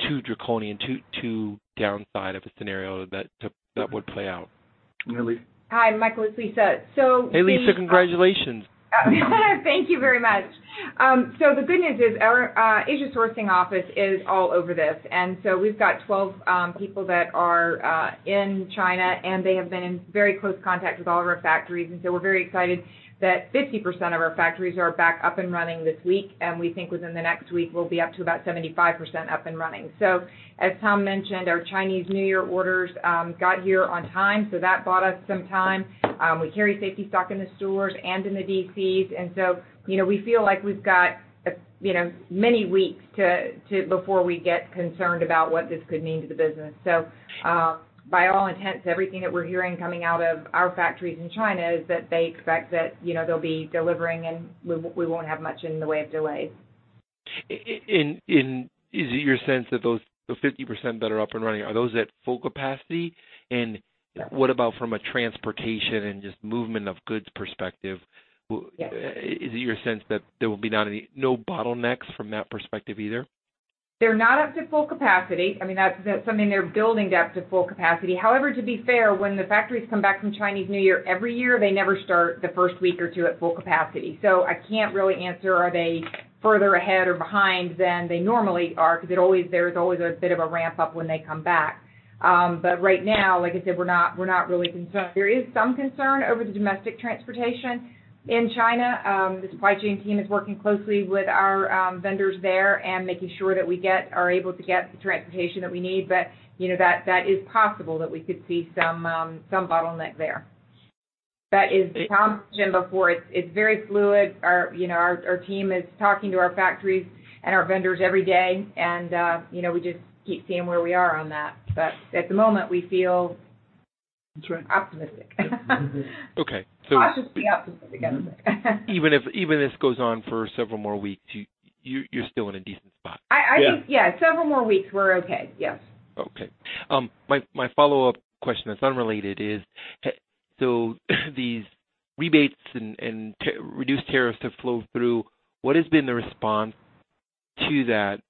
Speaker 7: too draconian, too downside of a scenario that would play out?
Speaker 3: Lisa.
Speaker 8: Hi, Michael, it's Lisa.
Speaker 7: Hey, Lisa, congratulations.
Speaker 8: Thank you very much. The good news is our Asia sourcing office is all over this. We've got 12 people that are in China, and they have been in very close contact with all of our factories. We're very excited that 50% of our factories are back up and running this week. We think within the next week we'll be up to about 75% up and running. As Tom mentioned, our Chinese New Year orders got here on time, so that bought us some time. We carry safety stock in the stores and in the DCs. You know, we feel like we've got, you know, many weeks before we get concerned about what this could mean to the business. By all intents, everything that we're hearing coming out of our factories in China is that they expect that, you know, they'll be delivering and we won't have much in the way of delays.
Speaker 7: Is it your sense that those 50% that are up and running, are those at full capacity? What about from a transportation and just movement of goods perspective?
Speaker 8: Yes.
Speaker 7: Is it your sense that there will be no bottlenecks from that perspective either?
Speaker 8: They're not up to full capacity. I mean, that's something they're building to up to full capacity. However, to be fair, when the factories come back from Chinese Lunar New Year every year, they never start the first week or two at full capacity. I can't really answer, are they further ahead or behind than they normally are because there's always a bit of a ramp-up when they come back. Right now, like I said, we're not really concerned. There is some concern over the domestic transportation in China. The supply chain team is working closely with our vendors there and making sure that we are able to get the transportation that we need. You know, that is possible that we could see some bottleneck there. As Tom mentioned before, it's very fluid. Our, you know, our team is talking to our factories and our vendors every day and, you know, we just keep seeing where we are on that. At the moment, we feel-
Speaker 3: That's right.
Speaker 8: optimistic.
Speaker 7: Okay.
Speaker 8: I'll just be optimistic, I guess.
Speaker 7: Even if this goes on for several more weeks, you're still in a decent spot.
Speaker 8: I think, yeah, several more weeks, we're okay. Yes.
Speaker 7: Okay. My follow-up question that's unrelated is, these rebates and reduced tariffs have flowed through. What has been the response to that,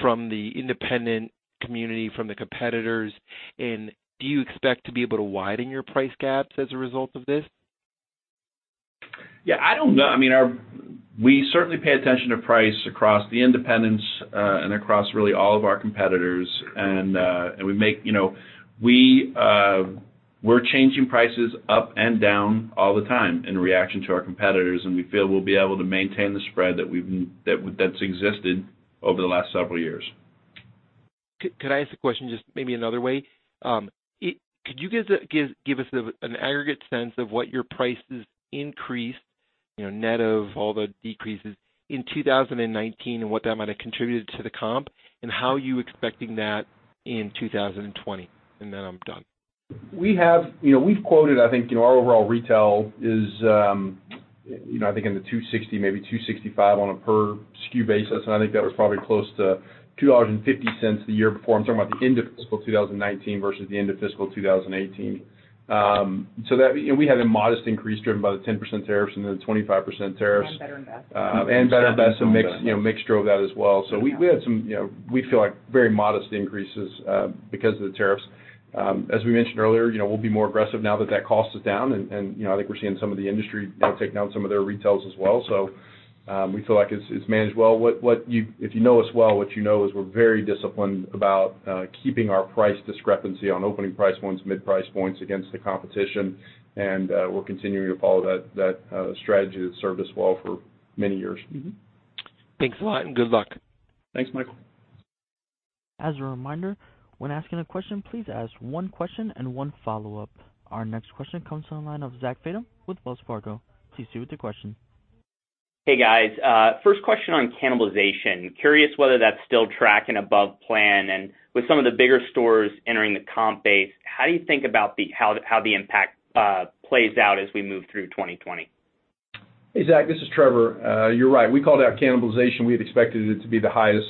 Speaker 7: from the independent community, from the competitors? Do you expect to be able to widen your price gaps as a result of this?
Speaker 3: Yeah, I don't know. I mean, we certainly pay attention to price across the independents, across really all of our competitors. We make, you know, we're changing prices up and down all the time in reaction to our competitors, we feel we'll be able to maintain the spread that's existed over the last several years.
Speaker 7: Could I ask the question just maybe another way? Could you give us an aggregate sense of what your prices increased, you know, net of all the decreases in 2019 and what that might have contributed to the comp, and how are you expecting that in 2020? Then I'm done.
Speaker 4: We've quoted, I think, you know, our overall retail is, I think in the $2.60, maybe $2.65 on a per SKU basis, and I think that was probably close to $2.50 the year before. I'm talking about the end of fiscal 2019 versus the end of fiscal 2018. That we had a modest increase driven by the 10% tariffs and the 25% tariffs.
Speaker 8: Better/best mix.
Speaker 4: And better/best mix, you know, mixture of that as well. We had some, you know, we feel like very modest increases because of the tariffs. As we mentioned earlier, you know, we'll be more aggressive now that that cost is down and, you know, I think we're seeing some of the industry, you know, taking down some of their retails as well. We feel like it's managed well. If you know us well, what you know is we're very disciplined about keeping our price discrepancy on opening price points, mid-price points against the competition. We're continuing to follow that strategy that served us well for many years.
Speaker 7: Thanks a lot, and good luck.
Speaker 3: Thanks, Michael.
Speaker 1: As a reminder, when asking a question, please ask one question and one follow-up. Our next question comes from the line of Zachary Fadem with Wells Fargo. Please proceed with your question.
Speaker 9: Hey, guys. First question on cannibalization. Curious whether that's still tracking above plan. With some of the bigger stores entering the comp base, how do you think about how the impact plays out as we move through 2020?
Speaker 4: Hey, Zach, this is Trevor. You're right. We called out cannibalization. We had expected it to be the highest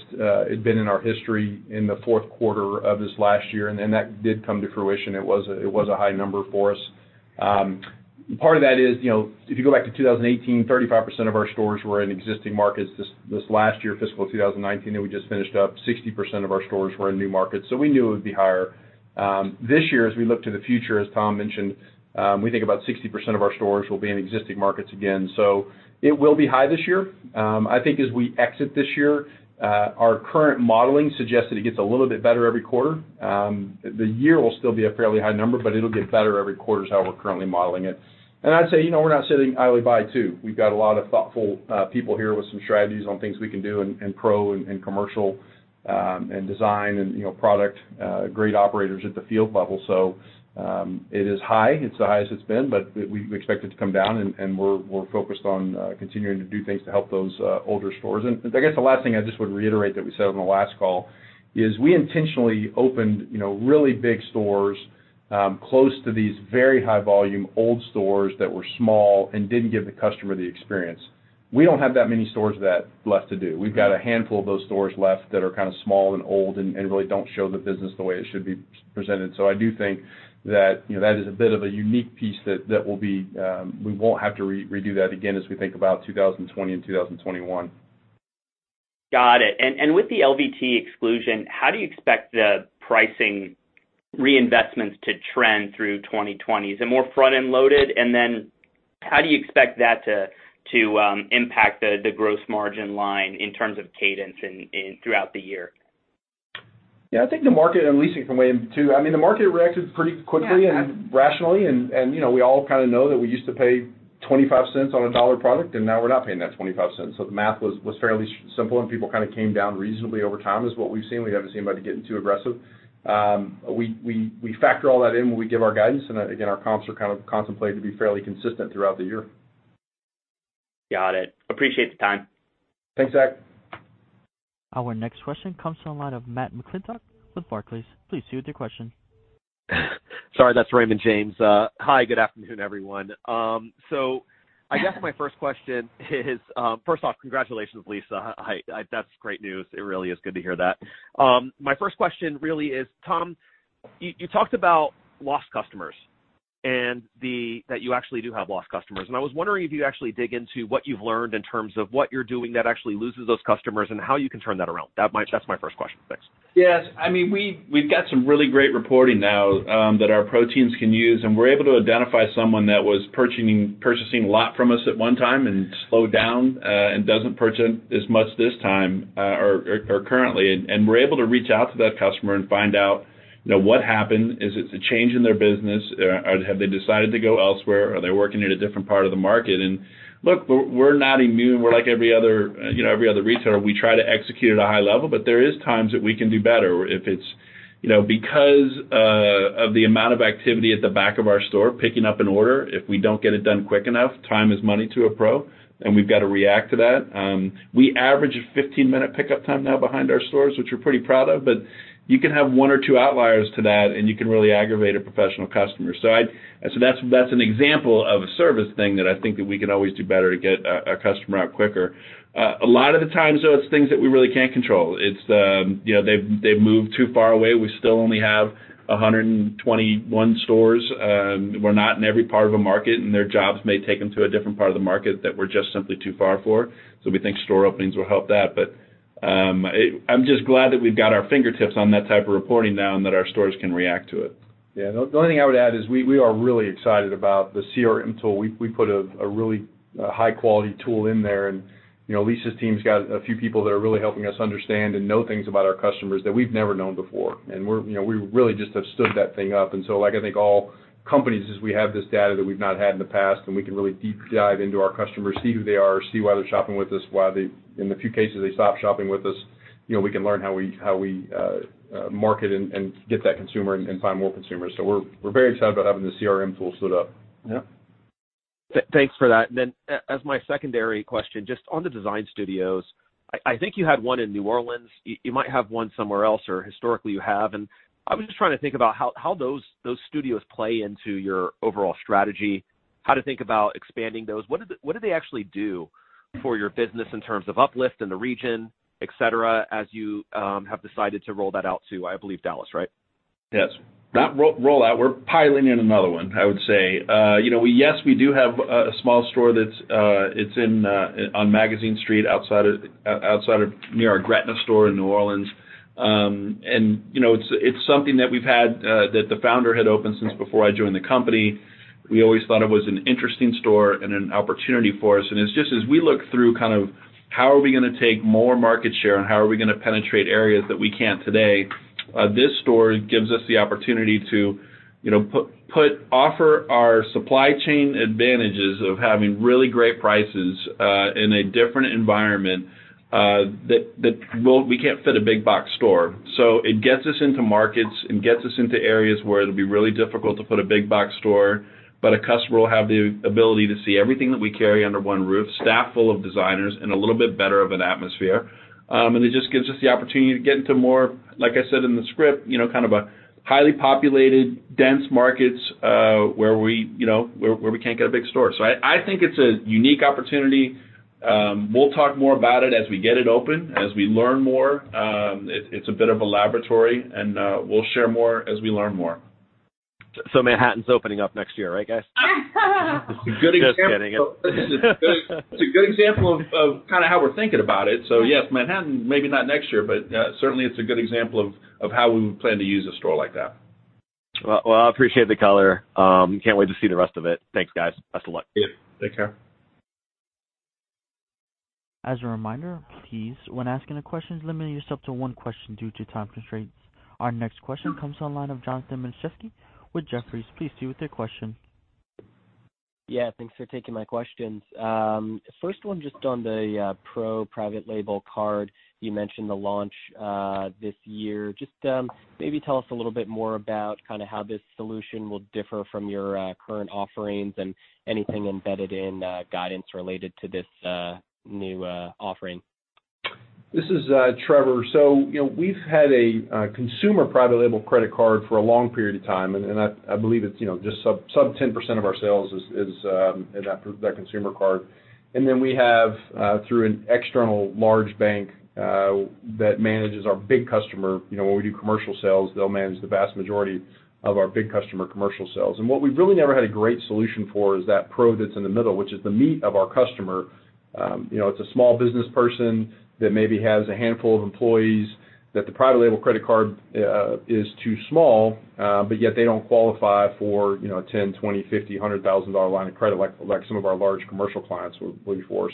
Speaker 4: it'd been in our history in the fourth quarter of this last year, and then that did come to fruition. It was a high number for us. Part of that is, you know, if you go back to 2018, 35% of our stores were in existing markets. This last year, fiscal 2019 that we just finished up, 60% of our stores were in new markets. We knew it would be higher. This year as we look to the future, as Tom mentioned, we think about 60% of our stores will be in existing markets again. It will be high this year. I think as we exit this year, our current modeling suggests that it gets a little bit better every quarter. The year will still be a fairly high number, but it'll get better every quarter is how we're currently modeling it. I'd say, you know, we're not sitting idly by too. We've got a lot of thoughtful people here with some strategies on things we can do in Pro and commercial and design and, you know, product, great operators at the field level. It is high, it's the highest it's been, but we expect it to come down and we're focused on continuing to do things to help those older stores. I guess the last thing I just would reiterate that we said on the last call is we intentionally opened, you know, really big stores, close to these very high volume old stores that were small and didn't give the customer the experience. We don't have that many stores left to do. We've got a handful of those stores left that are kind of small and old and really don't show the business the way it should be presented. I do think that, you know, that is a bit of a unique piece that will be We won't have to redo that again as we think about 2020 and 2021.
Speaker 9: Got it. And with the LVT exclusion, how do you expect the pricing reinvestments to trend through 2020? Is it more front-end loaded? Then how do you expect that to impact the gross margin line in terms of cadence throughout the year?
Speaker 4: Yeah, I think the market. Lisa can weigh in too. I mean, the market reacted pretty quickly.
Speaker 8: Yeah.
Speaker 4: Rationally and, you know, we all kind of know that we used to pay $0.25 on a $1 product, now we're not paying that $0.25. The math was fairly simple, people kind of came down reasonably over time is what we've seen. We haven't seen anybody getting too aggressive. We factor all that in when we give our guidance and again, our comps are kind of contemplated to be fairly consistent throughout the year.
Speaker 9: Got it. Appreciate the time.
Speaker 4: Thanks, Zach.
Speaker 1: Our next question comes from the line of Matt McClintock with Barclays. Please proceed with your question.
Speaker 10: Sorry, that's Raymond James. Hi, good afternoon, everyone. I guess my first question is, first off, congratulations, Lisa. That's great news. It really is good to hear that. My first question really is, Tom, you talked about lost customers and that you actually do have lost customers, I was wondering if you actually dig into what you've learned in terms of what you're doing that actually loses those customers and how you can turn that around. That's my first question. Thanks.
Speaker 3: Yes. I mean, we've got some really great reporting now that our pro teams can use, and we're able to identify someone that was purchasing a lot from us at one time and slowed down and doesn't purchase as much this time or currently. We're able to reach out to that customer and find out, you know, what happened. Is it a change in their business? Have they decided to go elsewhere? Are they working in a different part of the market? Look, we're not immune. We're like every other, you know, every other retailer. We try to execute at a high level, but there is times that we can do better. If it's, you know, because of the amount of activity at the back of our store, picking up an order, if we don't get it done quick enough, time is money to a pro, and we've got to react to that. We average a 15-minute pickup time now behind our stores, which we're pretty proud of, but you can have one or two outliers to that, and you can really aggravate a professional customer. That's an example of a service thing that I think that we can always do better to get a customer out quicker. A lot of the time though, it's things that we really can't control. It's, you know, they've moved too far away. We still only have 121 stores. We're not in every part of a market, and their jobs may take them to a different part of the market that we're just simply too far for. We think store openings will help that. I'm just glad that we've got our fingertips on that type of reporting now and that our stores can react to it.
Speaker 4: Yeah. The only thing I would add is we are really excited about the CRM tool. We put a really high quality tool in there and, you know, Lisa's team's got a few people that are really helping us understand and know things about our customers that we've never known before. We're, you know, we really just have stood that thing up. Like, I think all companies is we have this data that we've not had in the past, and we can really deep dive into our customers, see who they are, see why they're shopping with us, why they, in the few cases, they stop shopping with us. You know, we can learn how we market and get that consumer and find more consumers. We're very excited about having the CRM tool stood up.
Speaker 3: Yeah.
Speaker 10: Thanks for that. As my secondary question, just on the design studios, I think you had one in New Orleans. You might have one somewhere else, or historically you have, and I was just trying to think about how those studios play into your overall strategy, how to think about expanding those. What do they actually do for your business in terms of uplift in the region, et cetera, as you have decided to roll that out to, I believe, Dallas, right?
Speaker 3: Yes. Not roll out. We're piloting another one, I would say. You know, yes, we do have a small store that's in on Magazine Street outside of near our Gretna store in New Orleans. You know, it's something that we've had that the founder had opened since before I joined the company. We always thought it was an interesting store and an opportunity for us. It's just as we look through kind of how are we going to take more market share and how are we going to penetrate areas that we can't today, this store gives us the opportunity to, you know, offer our supply chain advantages of having really great prices in a different environment that we can't fit a big box store. It gets us into markets and gets us into areas where it'll be really difficult to put a big box store, but a customer will have the ability to see everything that we carry under one roof, staffed full of designers and a little bit better of an atmosphere. It just gives us the opportunity to get into more, like I said in the script, you know, kind of a highly populated, dense markets, where we can't get a big store. I think it's a unique opportunity. We'll talk more about it as we get it open, as we learn more. It's a bit of a laboratory, and we'll share more as we learn more.
Speaker 10: Manhattan's opening up next year, right, guys?
Speaker 2: Good example.
Speaker 10: Just kidding.
Speaker 3: It's a good example of kinda how we're thinking about it. Yes, Manhattan, maybe not next year, but certainly it's a good example of how we plan to use a store like that.
Speaker 10: Well, well, I appreciate the color. Can't wait to see the rest of it. Thanks, guys. Best of luck.
Speaker 3: Yeah. Take care.
Speaker 1: As a reminder, please, when asking a question, limit yourself to one question due to time constraints. Our next question comes on the line of Jonathan Matuszewski with Jefferies. Please proceed with your question.
Speaker 11: Yeah, thanks for taking my questions. First one just on the Pro private label card. You mentioned the launch this year. Just maybe tell us a little bit more about kind of how this solution will differ from your current offerings and anything embedded in guidance related to this new offering.
Speaker 4: This is Trevor. You know, we've had a consumer private label credit card for a long period of time, and I believe it's, you know, just sub-10% of our sales is in that consumer card. We have through an external large bank that manages our big customer. You know, when we do commercial sales, they'll manage the vast majority of our big customer commercial sales. What we've really never had a great solution for is that pro that's in the middle, which is the meat of our customer. You know, it's a small business person that maybe has a handful of employees that the private label credit card is too small. They don't qualify for, you know, $10, $20, $50, $100,000 line of credit like some of our large commercial clients would look for.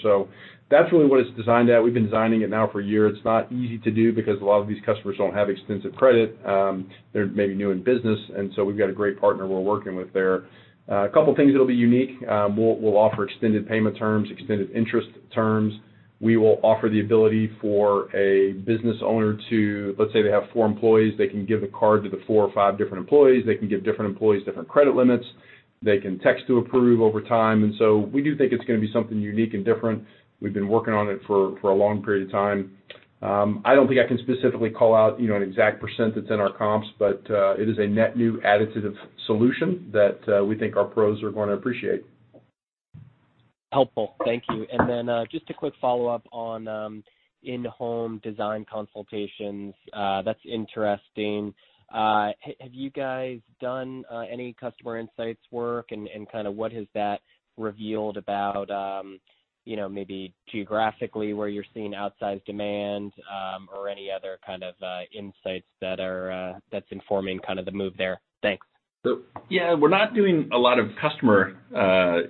Speaker 4: That's really what it's designed at. We've been designing it now for a year. It's not easy to do because a lot of these customers don't have extensive credit. They're maybe new in business. We've got a great partner we're working with there. A couple things that'll be unique. We'll offer extended payment terms, extended interest terms. We will offer the ability for a business owner to, let's say they have four employees, they can give the card to the four or five different employees. They can give different employees different credit limits. They can text to approve over time. We do think it's going to be something unique and different. We've been working on it for a long period of time. I don't think I can specifically call out, you know, an exact percent that's in our comps, but it is a net new additive solution that we think our pros are going to appreciate.
Speaker 11: Helpful. Thank you. Then, just a quick follow-up on in-home design consultations. That's interesting. Have you guys done any customer insights work? What has that revealed about, you know, maybe geographically, where you're seeing outsized demand, or any other kind of insights that are that's informing kind of the move there? Thanks.
Speaker 3: Yeah, we're not doing a lot of customer,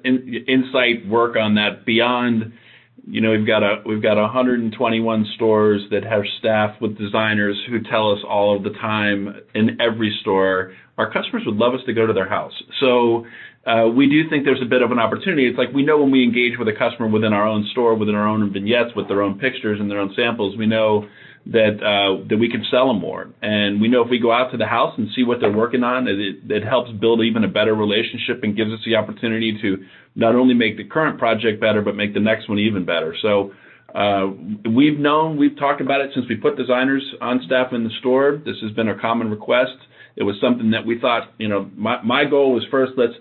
Speaker 3: in-insight work on that beyond, you know, we've got a, we've got 121 stores that have staff with designers who tell us all of the time in every store, "Our customers would love us to go to their house." It's like we know when we engage with a customer within our own store, within our own vignettes, with their own pictures and their own samples, we know that we can sell them more. We know if we go out to the house and see what they're working on, it helps build even a better relationship and gives us the opportunity to not only make the current project better but make the next one even better. We've known, we've talked about it since we put designers on staff in the store. This has been a common request. It was something that we thought, you know, my goal was, first, let's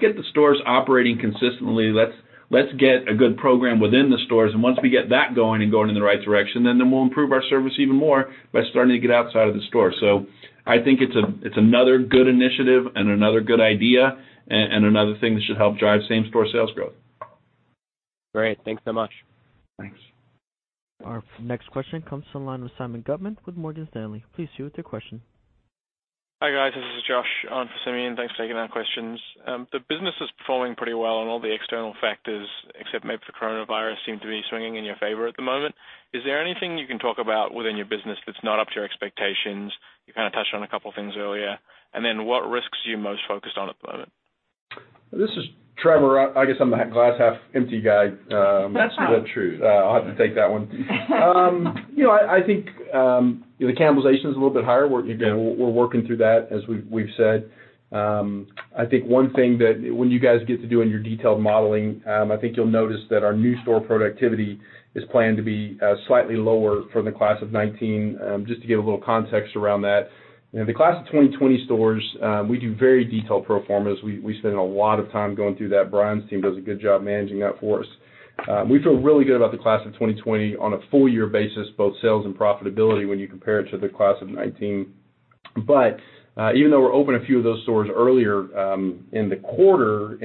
Speaker 3: get the stores operating consistently. Let's get a good program within the stores. Once we get that going and going in the right direction, then we'll improve our service even more by starting to get outside of the store. I think it's another good initiative and another good idea and another thing that should help drive same store sales growth.
Speaker 11: Great. Thanks so much.
Speaker 3: Thanks.
Speaker 1: Our next question comes from the line with Simeon Gutman with Morgan Stanley. Please proceed with your question.
Speaker 12: Hi, guys. This is Josh on for Simeon. Thanks for taking our questions. The business is performing pretty well on all the external factors, except maybe for coronavirus seem to be swinging in your favor at the moment. Is there anything you can talk about within your business that's not up to your expectations? You kinda touched on a couple things earlier. What risks are you most focused on at the moment?
Speaker 4: This is Trevor. I guess I'm the glass half empty guy.
Speaker 12: That's the truth.
Speaker 4: I'll have to take that one. You know, I think the cannibalization is a little bit higher. We're working through that, as we've said. I think one thing that when you guys get to do in your detailed modeling, I think you'll notice that our new store productivity is planned to be slightly lower from the class of 2019. Just to give a little context around that. You know, the class of 2020 stores, we do very detailed pro formas. We spend a lot of time going through that. Brian's team does a good job managing that for us. We feel really good about the class of 2020 on a full year basis, both sales and profitability when you compare it to the class of 2019. Even though we're open a few of those stores earlier in the quarter,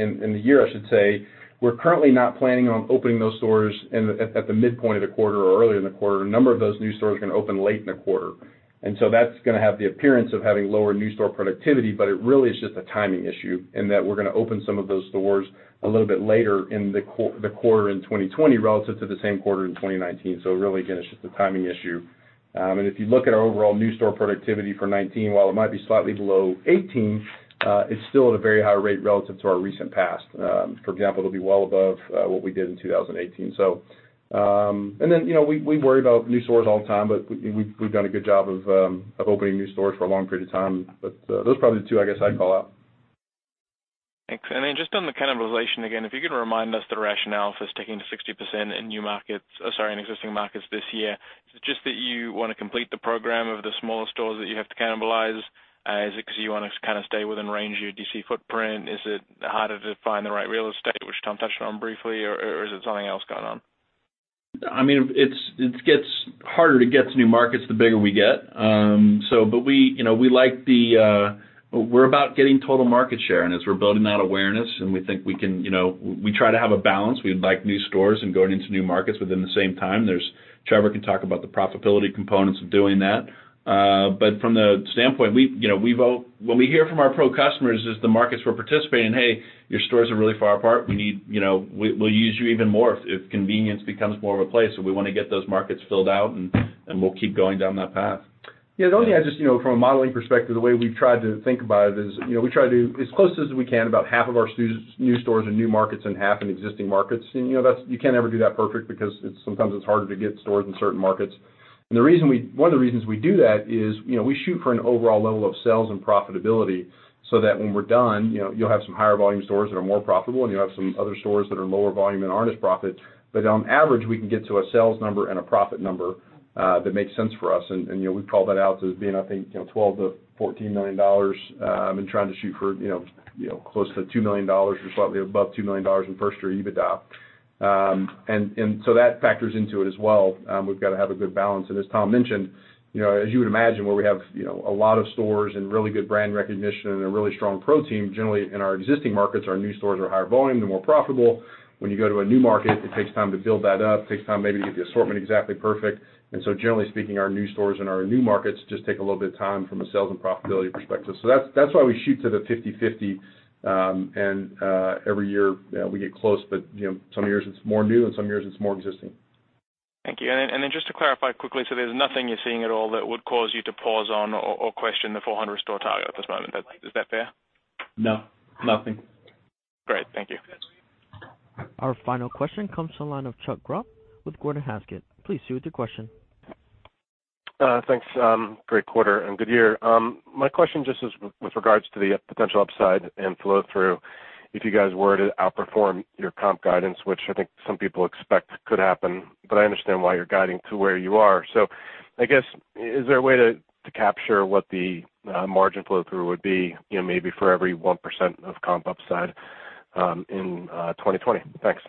Speaker 4: we're currently not planning on opening those stores at the midpoint of the quarter or earlier in the quarter. A number of those new stores are gonna open late in the quarter. That's gonna have the appearance of having lower new store productivity, but it really is just a timing issue in that we're gonna open some of those stores a little bit later in the quarter in 2020 relative to the same quarter in 2019. Really, again, it's just a timing issue. If you look at our overall new store productivity for 2019, while it might be slightly below 2018, it's still at a very high rate relative to our recent past. For example, it'll be well above what we did in 2018. You know, we worry about new stores all the time, but we've done a good job of opening new stores for a long period of time. Those are probably the two, I guess, I'd call out.
Speaker 12: Thanks. Just on the cannibalization again, if you could remind us the rationale for sticking to 60% in new markets, sorry, in existing markets this year. Is it just that you wanna complete the program of the smaller stores that you have to cannibalize? Is it 'cause you wanna kind of stay within range of your DC footprint? Is it harder to find the right real estate, which Tom touched on briefly, or is it something else going on?
Speaker 3: I mean, it's gets harder to get to new markets the bigger we get. We're about getting total market share. As we're building that awareness and we think we can, you know, we try to have a balance. We'd like new stores and going into new markets. At the same time, there's Trevor can talk about the profitability components of doing that. From the standpoint, we, you know, what we hear from our pro customers is the markets we're participating, "Hey, your stores are really far apart. We need, you know, we'll use you even more if convenience becomes more of a place." We wanna get those markets filled out and we'll keep going down that path.
Speaker 4: Yeah, the only thing I just, you know, from a modeling perspective, the way we've tried to think about it is, you know, we try to as close as we can, about half of our new stores and new markets and half in existing markets. You know, that's, you can't ever do that perfect because it's sometimes it's harder to get stores in certain markets. The reason one of the reasons we do that is, you know, we shoot for an overall level of sales and profitability so that when we're done, you know, you'll have some higher volume stores that are more profitable, and you'll have some other stores that are lower volume and aren't as profitable. On average, we can get to a sales number and a profit number that makes sense for us. We call that out to being, I think, $12 million-$14 million, and trying to shoot for close to $2 million or slightly above $2 million in first year EBITDA. That factors into it as well. We've got to have a good balance. As Tom mentioned, as you would imagine, where we have a lot of stores and really good brand recognition and a really strong pro team, generally in our existing markets, our new stores are higher volume, they're more profitable. When you go to a new market, it takes time to build that up. It takes time maybe to get the assortment exactly perfect. Generally speaking, our new stores and our new markets just take a little bit of time from a sales and profitability perspective. That's why we shoot to the 50/50, and every year, we get close, but, you know, some years it's more new and some years it's more existing.
Speaker 12: Thank you. Just to clarify quickly, there's nothing you're seeing at all that would cause you to pause on or question the 400-store target at this moment. Is that fair?
Speaker 3: No, nothing.
Speaker 12: Great. Thank you.
Speaker 1: Our final question comes to the line of Chuck Grom with Gordon Haskett. Please proceed with your question.
Speaker 13: Thanks, great quarter and good year. My question just is with regards to the potential upside and flow through. If you guys were to outperform your comp guidance, which I think some people expect could happen, but I understand why you're guiding to where you are. I guess, is there a way to capture what the margin flow through would be, you know, maybe for every 1% of comp upside in 2020? Thanks.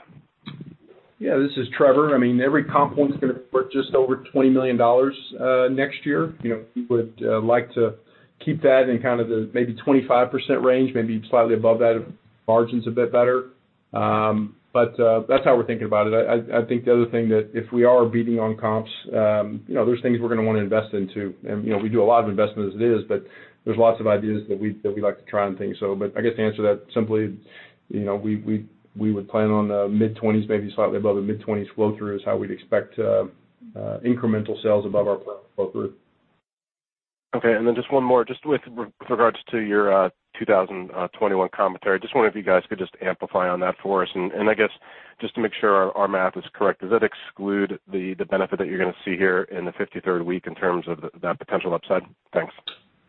Speaker 4: Yeah, this is Trevor. I mean, every comp point's going to support just over $20 million next year. You know, we would like to keep that in kind of the maybe 25% range, maybe slightly above that if margin's a bit better. That's how we're thinking about it. I think the other thing that if we are beating on comps, you know, there's things we're going to want to invest into. You know, we do a lot of investment as it is, but there's lots of ideas that we'd like to try and think so. I guess to answer that simply, you know, we would plan on mid-20s, maybe slightly above the mid-20s flow through is how we'd expect incremental sales above our planned flow through.
Speaker 13: Okay. Just one more just with regards to your 2021 commentary. Just wondering if you guys could just amplify on that for us. I guess, just to make sure our math is correct, does that exclude the benefit that you're gonna see here in the 53rd week in terms of that potential upside? Thanks.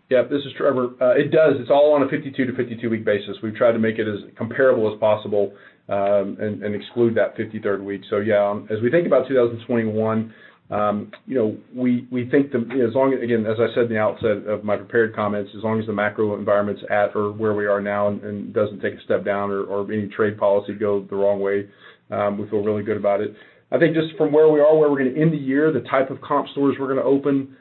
Speaker 4: Yeah, this is Trevor. It does. It's all on a 52-52-week basis. We've tried to make it as comparable as possible, and exclude that 53rd week. Yeah, as we think about 2021, you know, we think as long as again, as I said in the outset of my prepared comments, as long as the macro environment's at or where we are now and doesn't take a step down or any trade policy goes the wrong way, we feel really good about it. I think just from where we are, where we're gonna end the year, the type of comp stores we're gonna open,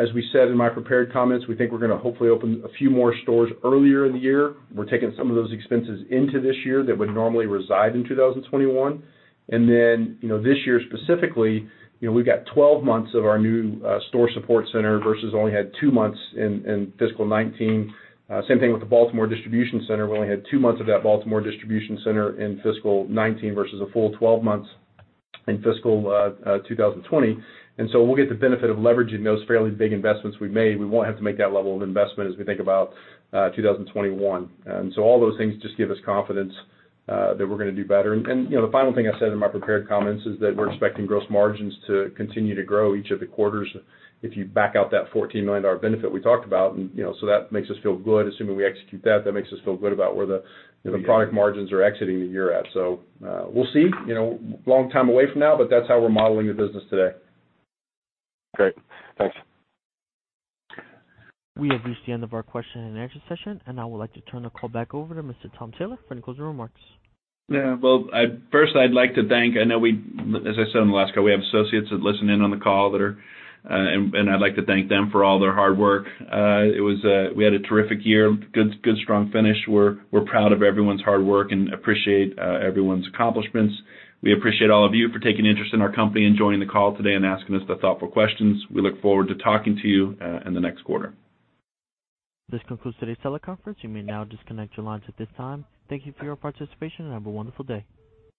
Speaker 4: as we said in my prepared comments, we think we're gonna hopefully open a few more stores earlier in the year. We're taking some of those expenses into this year that would normally reside in 2021. You know, this year specifically, you know, we've got 12 months of our new store support center versus only had two months in fiscal 2019. Same thing with the Baltimore Distribution Center. We only had two months of that Baltimore Distribution Center in fiscal 2019 versus a full 12 months in fiscal 2020. We'll get the benefit of leveraging those fairly big investments we made. We won't have to make that level of investment as we think about 2021. All those things just give us confidence that we're gonna do better. The final thing I said in my prepared comments is that we're expecting gross margins to continue to grow each of the quarters if you back out that $14 million benefit we talked about. That makes us feel good. Assuming we execute that makes us feel good about where the, you know, the product margins are exiting the year at. We'll see. Long time away from now, but that's how we're modeling the business today.
Speaker 13: Great. Thanks.
Speaker 1: We have reached the end of our question-and-answer session, and I would like to turn the call back over to Mr. Tom Taylor for any closing remarks.
Speaker 3: Yeah. Well, first I'd like to thank I know we, as I said on the last call, we have associates that listen in on the call that are, and I'd like to thank them for all their hard work. We had a terrific year. Good strong finish. We're proud of everyone's hard work and appreciate everyone's accomplishments. We appreciate all of you for taking interest in our company and joining the call today and asking us the thoughtful questions. We look forward to talking to you in the next quarter.
Speaker 1: This concludes today's teleconference. You may now disconnect your lines at this time. Thank you for your participation and have a wonderful day.